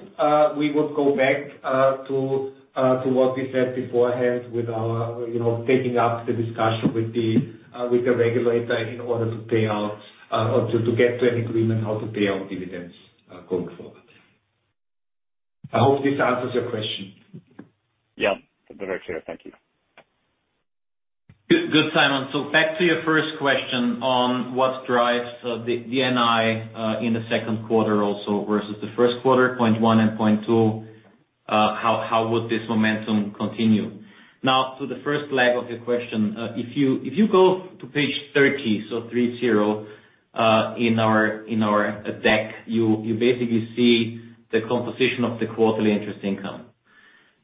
we would go back to what we said beforehand with our, you know, taking up the discussion with the regulator in order to pay out or to get to an agreement how to pay out dividends going forward. I hope this answers your question.
Yeah. That's very clear. Thank you.
Good, Simon. Back to your first question on what drives the NII in the second quarter also versus the first quarter, point one and point two, how would this momentum continue? Now to the first leg of your question, if you go to page 30 in our deck, you basically see the composition of the quarterly interest income.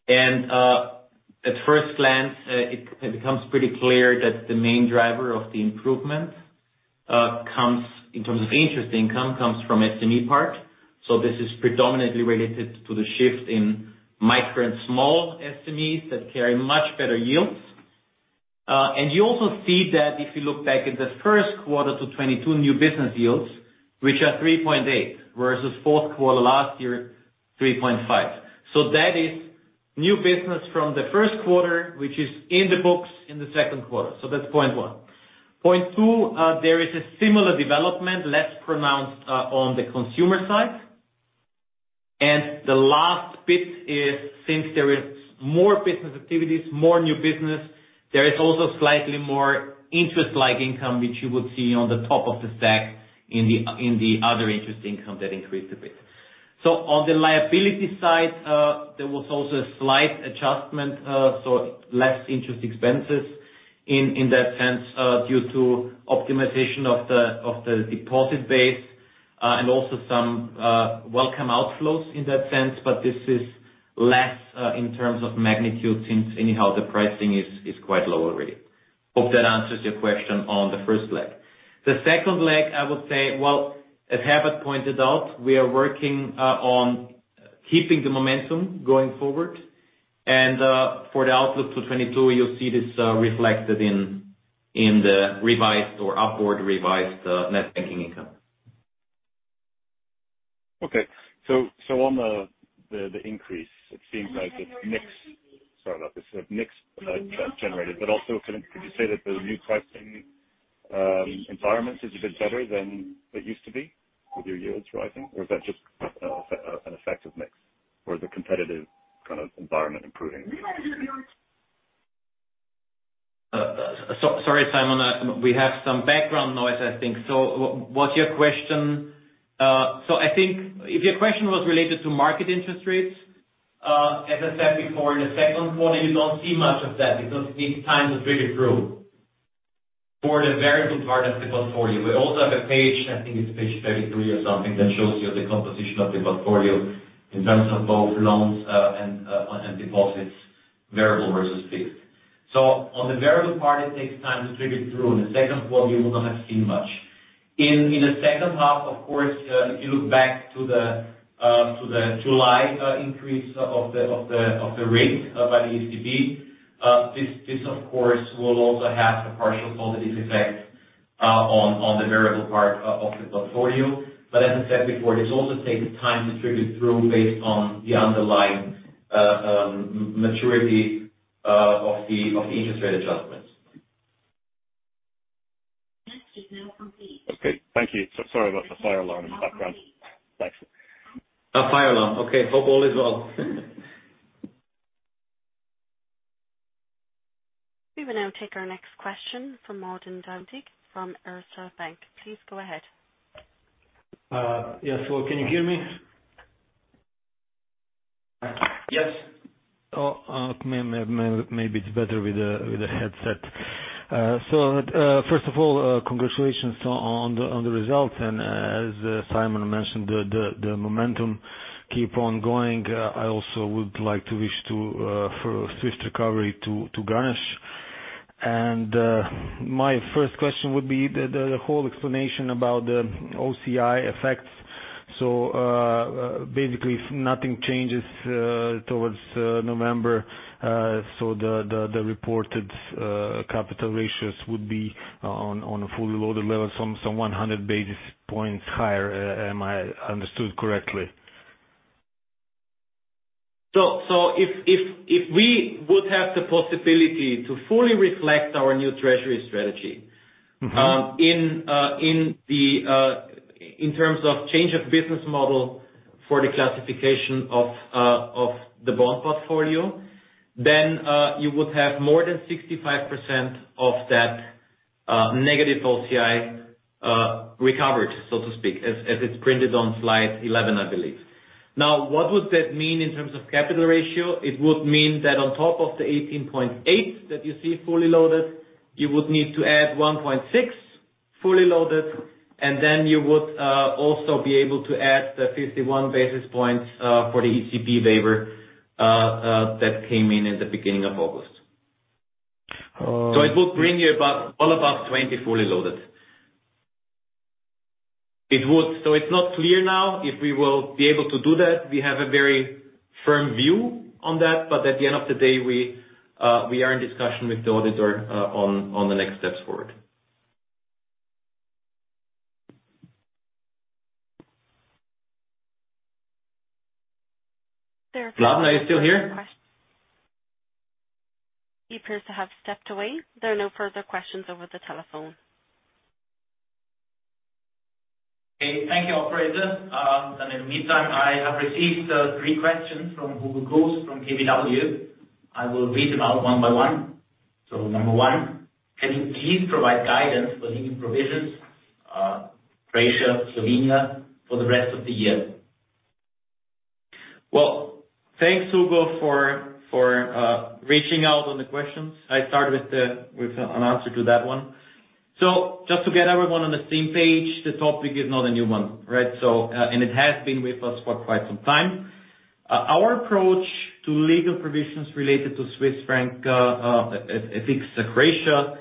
At first glance, it becomes pretty clear that the main driver of the improvement comes in terms of interest income, comes from SME part. This is predominantly related to the shift in micro and small SMEs that carry much better yields. You also see that if you look back at the first quarter 2022 new business yields, which are 3.8% versus fourth quarter last year, 3.5%. That is new business from the first quarter, which is in the books in the second quarter. That's point one. Point two, there is a similar development less pronounced on the consumer side. The last bit is, since there is more business activities, more new business, there is also slightly more interest-like income which you would see on the top of the stack in the other interest income that increased a bit. On the liability side, there was also a slight adjustment, so less interest expenses in that sense, due to optimization of the deposit base, and also some welcome outflows in that sense. This is less in terms of magnitude since anyhow the pricing is quite low already. Hope that answers your question on the first leg. The second leg I would say, well, as Herbert pointed out, we are working on keeping the momentum going forward. For the outlook to 2022 you'll see this reflected in the revised or upward revised net banking income.
Okay. On the increase, it seems like it's mix generated. Also, could you say that the new pricing environment is a bit better than it used to be with your yields rising? Or is that just an effect of mix or the competitive kind of environment improving?
Sorry Simon, we have some background noise I think. What's your question? I think if your question was related to market interest rates, as I said before, in the second quarter you don't see much of that because it needs time to trickle through for the variable part of the portfolio. We also have a page, I think it's page 33 or something, that shows you the composition of the portfolio in terms of both loans and deposits variable versus fixed. On the variable part it takes time to trickle through. In the second quarter you would not have seen much. In the second half, of course, if you look back to the July increase of the rate by the ECB, this of course will also have a partial positive effect on the variable part of the portfolio. As I said before, this also takes time to trickle through based on the underlying maturity of the interest rate adjustments.
Okay. Thank you. Sorry about the fire alarm in the background. Thanks.
A fire alarm. Okay. Hope all is well.
We will now take our next question from Mladen Dodig from Erste Bank. Please go ahead.
Yes. Hello, can you hear me? Yes. Maybe it's better with the headset. First of all, congratulations on the results. As Simon mentioned, the momentum keep on going. I also would like to wish for swift recovery to Ganesh. My first question would be the whole explanation about the OCI effects. Basically nothing changes toward November. The reported capital ratios would be on a fully loaded level, some 100 basis points higher. Am I understood correctly?
If we would have the possibility to fully reflect our new treasury strategy.
Mm-hmm
In terms of change of business model for the classification of the bond portfolio, then you would have more than 65% of that negative OCI recovered, so to speak, as it's printed on slide 11, I believe. Now, what would that mean in terms of capital ratio? It would mean that on top of the 18.8% that you see fully loaded, you would need to add 1.6% fully loaded, and then you would also be able to add the 51 basis points for the ECB waiver that came in in the beginning of August.
Oh.
It will bring you about 20% fully loaded. It's not clear now if we will be able to do that. We have a very firm view on that. At the end of the day, we are in discussion with the auditor on the next steps forward.
There are-
Mladen, are you still here?
He appears to have stepped away. There are no further questions over the telephone.
Okay, thank you, operator. In the meantime, I have received three questions from Hugo Cruz from KBW. I will read them out one by one. Number one, can you please provide guidance for legal provisions, Croatia, Slovenia for the rest of the year?
Well, thanks, Hugo, for reaching out on the questions. I start with an answer to that one. Just to get everyone on the same page, the topic is not a new one, right? It has been with us for quite some time. Our approach to legal provisions related to Swiss franc fixed Croatia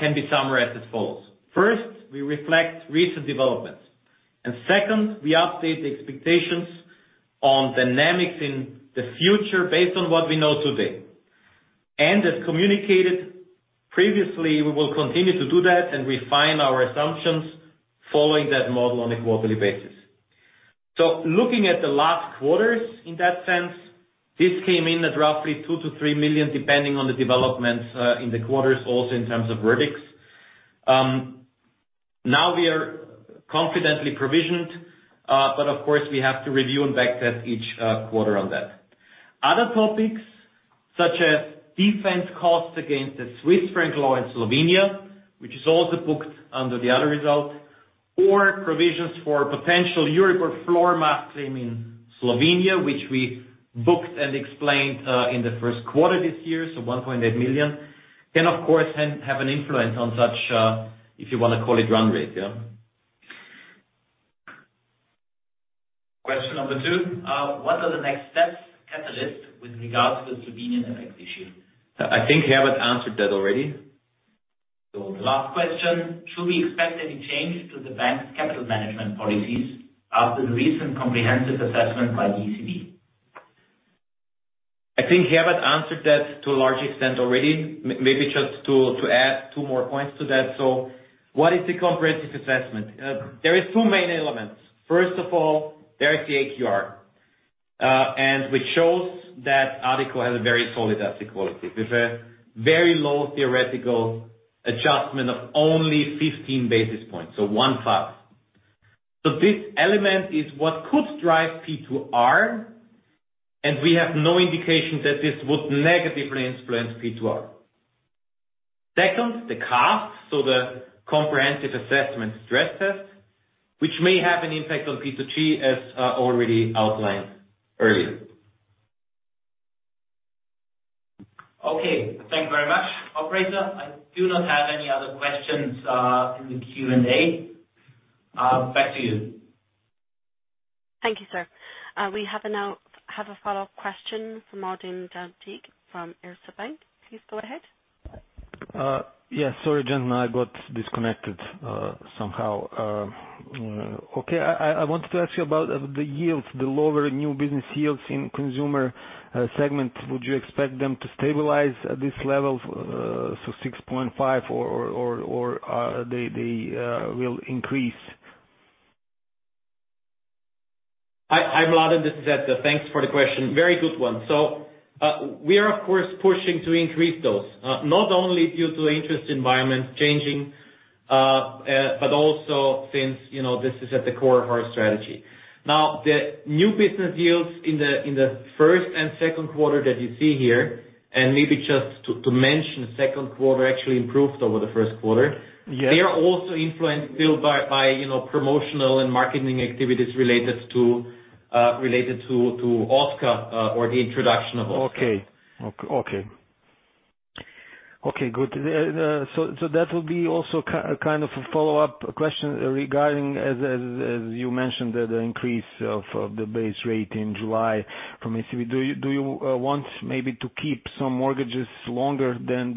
can be summarized as follows. First, we reflect recent developments. Second, we update the expectations on dynamics in the future based on what we know today. As communicated previously, we will continue to do that and refine our assumptions following that model on a quarterly basis. Looking at the last quarters in that sense, this came in at roughly 2 million-3 million, depending on the developments in the quarters also in terms of verdicts. Now we are confidently provisioned, but of course we have to review and back test each quarter on that. Other topics, such as defense costs against the Swiss franc law in Slovenia, which is also booked under the other result, or provisions for potential Euribor floor mass claim in Slovenia, which we booked and explained in the first quarter this year, so 1.8 million, can of course have an influence on such, if you wanna call it run rate.
Question number two. What are the next steps catalyst with regards to the Slovenian effect issue?
I think Herbert answered that already.
The last question, should we expect any change to the bank's capital management policies after the recent Comprehensive Assessment by ECB?
I think Herbert answered that to a large extent already. Maybe just to add two more points to that. What is the Comprehensive Assessment? There is two main elements. First of all, there is the AQR, and which shows that Addiko has a very solid asset quality with a very low theoretical adjustment of only 15 basis points. This element is what could drive P2R, and we have no indication that this would negatively influence P2R. Second, the CAST, the Comprehensive Assessment Stress Test, which may have an impact on P2G as already outlined earlier.
Okay, thank you very much. Operator, I do not have any other questions in the Q&A. Back to you.
Thank you, sir. We have a follow-up question from Mladen Dodig from Erste Bank. Please go ahead.
Yes, sorry, gentlemen, I got disconnected somehow. Okay. I wanted to ask you about the yields, the lower new business yields in consumer segment. Would you expect them to stabilize at this level, so 6.5% or they will increase?
Hi Mladen, this is Edgar. Thanks for the question. Very good one. We are of course pushing to increase those, not only due to interest environment changing, but also since, you know, this is at the core of our strategy. Now, the new business yields in the first and second quarter that you see here, and maybe just to mention, second quarter actually improved over the first quarter.
Yeah.
They are also influenced still by, you know, promotional and marketing activities related to Oskar or the introduction of Oskar.
That would be also kind of a follow-up question regarding, as you mentioned, the increase of the base rate in July from ECB. Do you want maybe to keep some mortgages longer than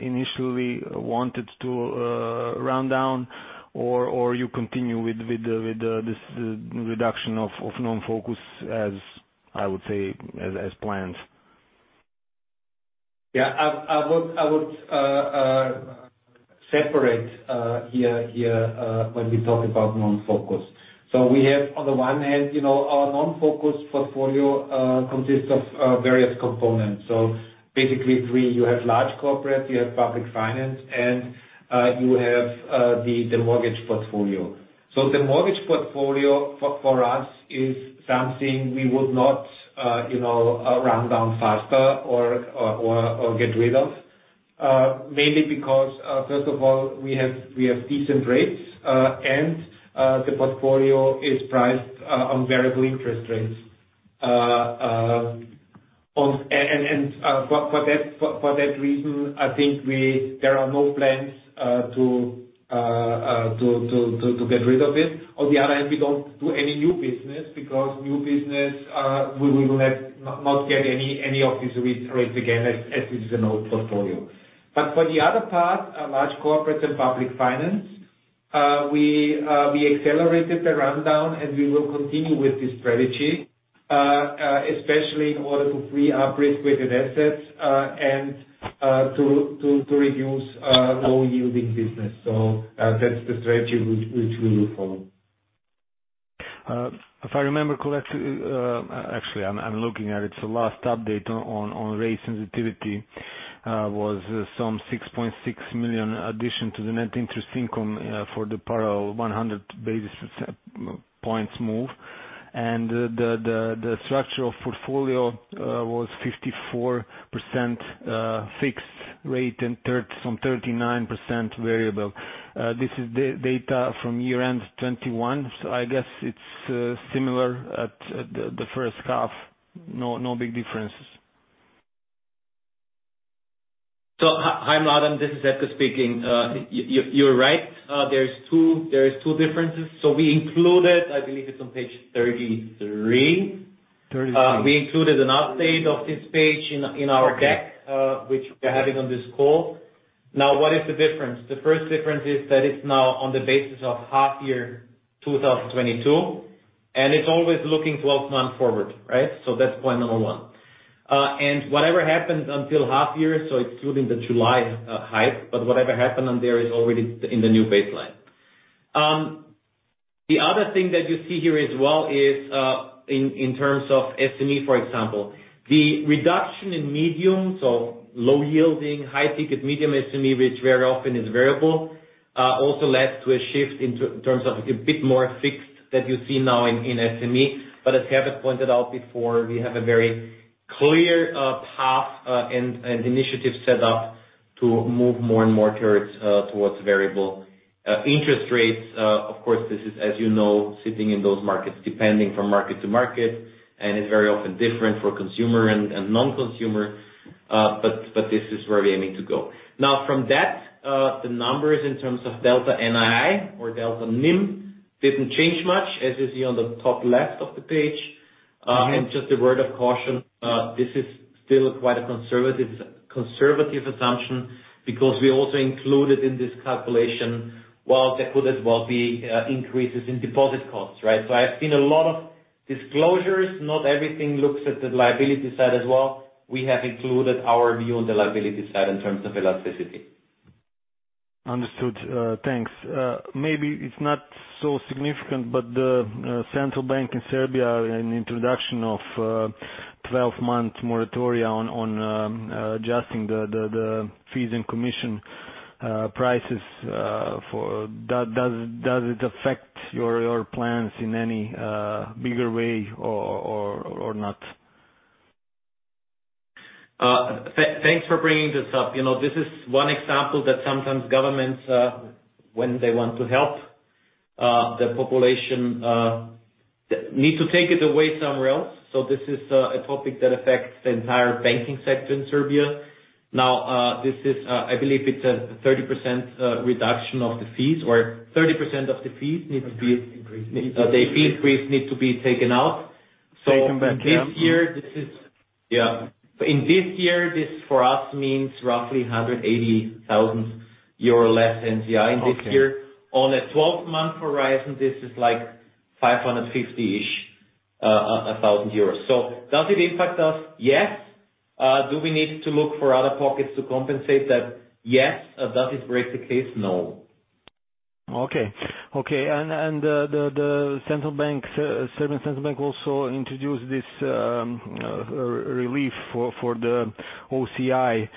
initially wanted to run down or you continue with this reduction of non-focus, as I would say, as planned?
Yeah. I would separate here when we talk about non-focus. We have on the one hand, you know, our non-focus portfolio consists of various components. Basically three. You have large corporate, you have public finance, and you have the mortgage portfolio. The mortgage portfolio for us is something we would not, you know, run down faster or get rid of. Mainly because first of all, we have decent rates and the portfolio is priced on variable interest rates. For that reason, I think there are no plans to get rid of it. On the other hand, we don't do any new business because new business we will not get any of these re-rates again as it's an old portfolio. For the other part, large corporates and public finance, we accelerated the rundown, and we will continue with this strategy, especially in order to free up risk-weighted assets, and to reduce low-yielding business. That's the strategy which we will follow.
If I remember correctly, actually, I'm looking at it, last update on rate sensitivity was some 6.6 million addition to the net interest income for the parallel 100 basis points move. The structural portfolio was 54% fixed rate and some 39% variable. This is data from year-end 2021. I guess it's similar at the first half, no big differences.
Hi Mladen, this is Edgar speaking. You're right. There are two differences. We included, I believe it's on page 33.
33.
We included an update of this page in our deck.
Okay.
which we're having on this call. Now, what is the difference? The first difference is that it's now on the basis of half year 2022, and it's always looking 12 months forward, right? That's point number one. Whatever happens until half year, so excluding the July hike, but whatever happened there is already in the new baseline. The other thing that you see here as well is, in terms of SME, for example. The reduction in medium, so low yielding, high ticket, medium SME, which very often is variable, also led to a shift in terms of a bit more fixed that you see now in SME. As Herbert pointed out before, we have a very clear path and initiative set up to move more and more towards variable interest rates. Of course, this is, as you know, sitting in those markets, depending on market-to-market, and it's very often different for consumer and non-consumer. But this is where we aiming to go. Now from that, the numbers in terms of Delta NII or Delta NIM didn't change much, as you see on the top left of the page.
Mm-hmm.
Just a word of caution, this is still quite a conservative assumption because we also included in this calculation, there could as well be increases in deposit costs, right? I've seen a lot of disclosures. Not everything looks at the liability side as well. We have included our view on the liability side in terms of elasticity.
Understood. Thanks. Maybe it's not so significant, but the central bank in Serbia, an introduction of 12 months moratoria on adjusting the fees and commission prices for. Does it affect your plans in any bigger way or not?
Thanks for bringing this up. You know, this is one example that sometimes governments, when they want to help, the population, they need to take it away somewhere else. This is a topic that affects the entire banking sector in Serbia. Now, this is, I believe it's a 30% reduction of the fees or 30% of the fees need to be-
Increase.
The fees increase need to be taken out.
Taken back, yeah.
In this year, this for us means roughly 180,000 euro less NCI in this year.
Okay.
On a 12-month horizon, this is like 550-ish thousand euros. Does it impact us? Yes. Do we need to look for other pockets to compensate that? Yes. Does it break the case? No.
The central bank, Serbian central bank also introduced this relief for the OCI.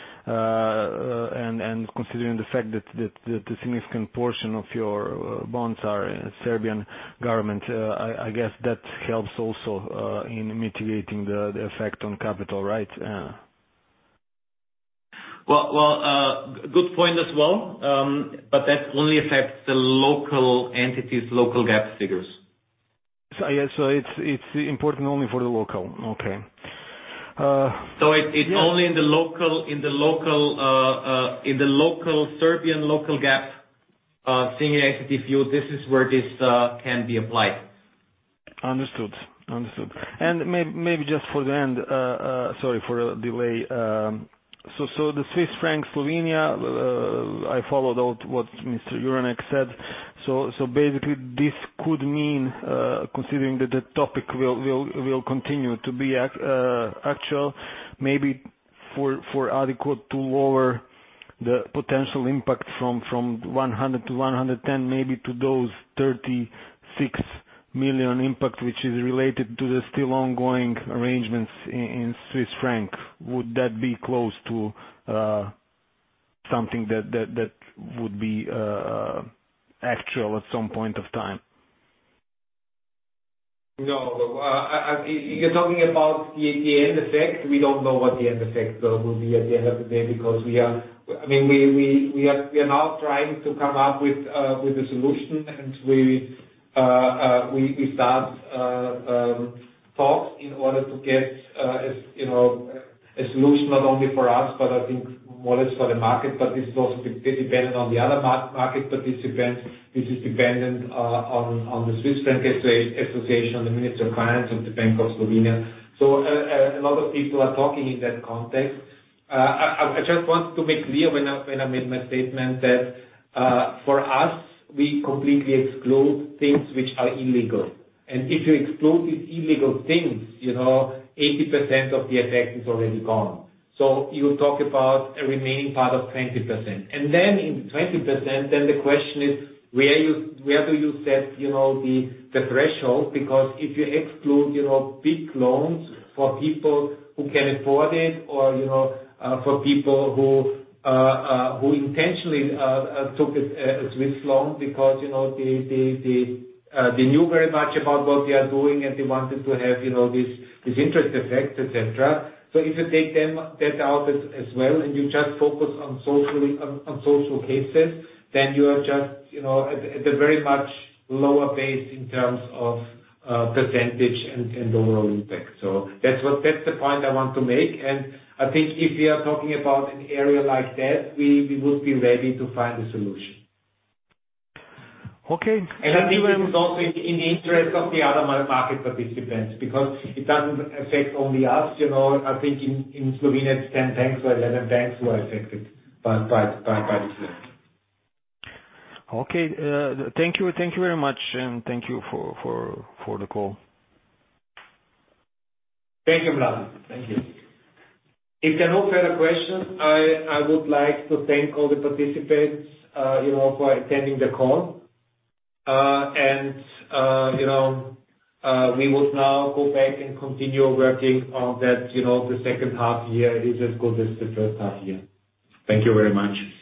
Considering the fact that the significant portion of your bonds are Serbian government, I guess that helps also in mitigating the effect on capital, right?
Well, good point as well. That only affects the local entities, local GAAP figures.
Yeah, it's important only for the local. Okay.
It's only in the local Serbian local GAAP, senior secured debt yield. This is where this can be applied.
Understood. Maybe just for the end, sorry for the delay. The Swiss franc Slovenia, I followed what Mr. Juranek said. Basically this could mean, considering that the topic will continue to be actual maybe for Addiko to lower the potential impact from 100-110 maybe to that 36 million impact which is related to the still ongoing arrangements in Swiss franc. Would that be close to something that would be actual at some point of time?
No. You're talking about the end effect. We don't know what the end effect will be at the end of the day because I mean, we are now trying to come up with a solution. We start talks in order to get, you know, a solution not only for us, but I think more or less for the market. This is also dependent on the other market participants. This is dependent on the Slovenian Consumers' Association, the Ministry of Finance, and the Bank of Slovenia. A lot of people are talking in that context. I just want to make clear when I made my statement that for us, we completely exclude things which are illegal. If you exclude these illegal things, you know, 80% of the effect is already gone. You talk about a remaining part of 20%. Then in 20%, then the question is, where do you set, you know, the threshold? Because if you exclude, you know, big loans for people who can afford it or, you know, for people who intentionally took a Swiss franc loan because, you know, they knew very much about what they are doing and they wanted to have, you know, this interest effect, etc. If you take that out as well, and you just focus on social cases, then you are just, you know, at a very much lower base in terms of percentage and overall impact. That's the point I want to make. I think if we are talking about an area like that, we would be ready to find a solution.
Okay. Thank you very much.
I think it is also in the interest of the other market participants, because it doesn't affect only us. You know, I think in Slovenia, it's 10 banks or 11 banks who are affected by this loan.
Okay. Thank you. Thank you very much, and thank you for the call.
Thank you, Mladen. Thank you. If there are no further questions, I would like to thank all the participants, you know, for attending the call. You know, we will now go back and continue working on that, you know, the second half year is as good as the first half year. Thank you very much.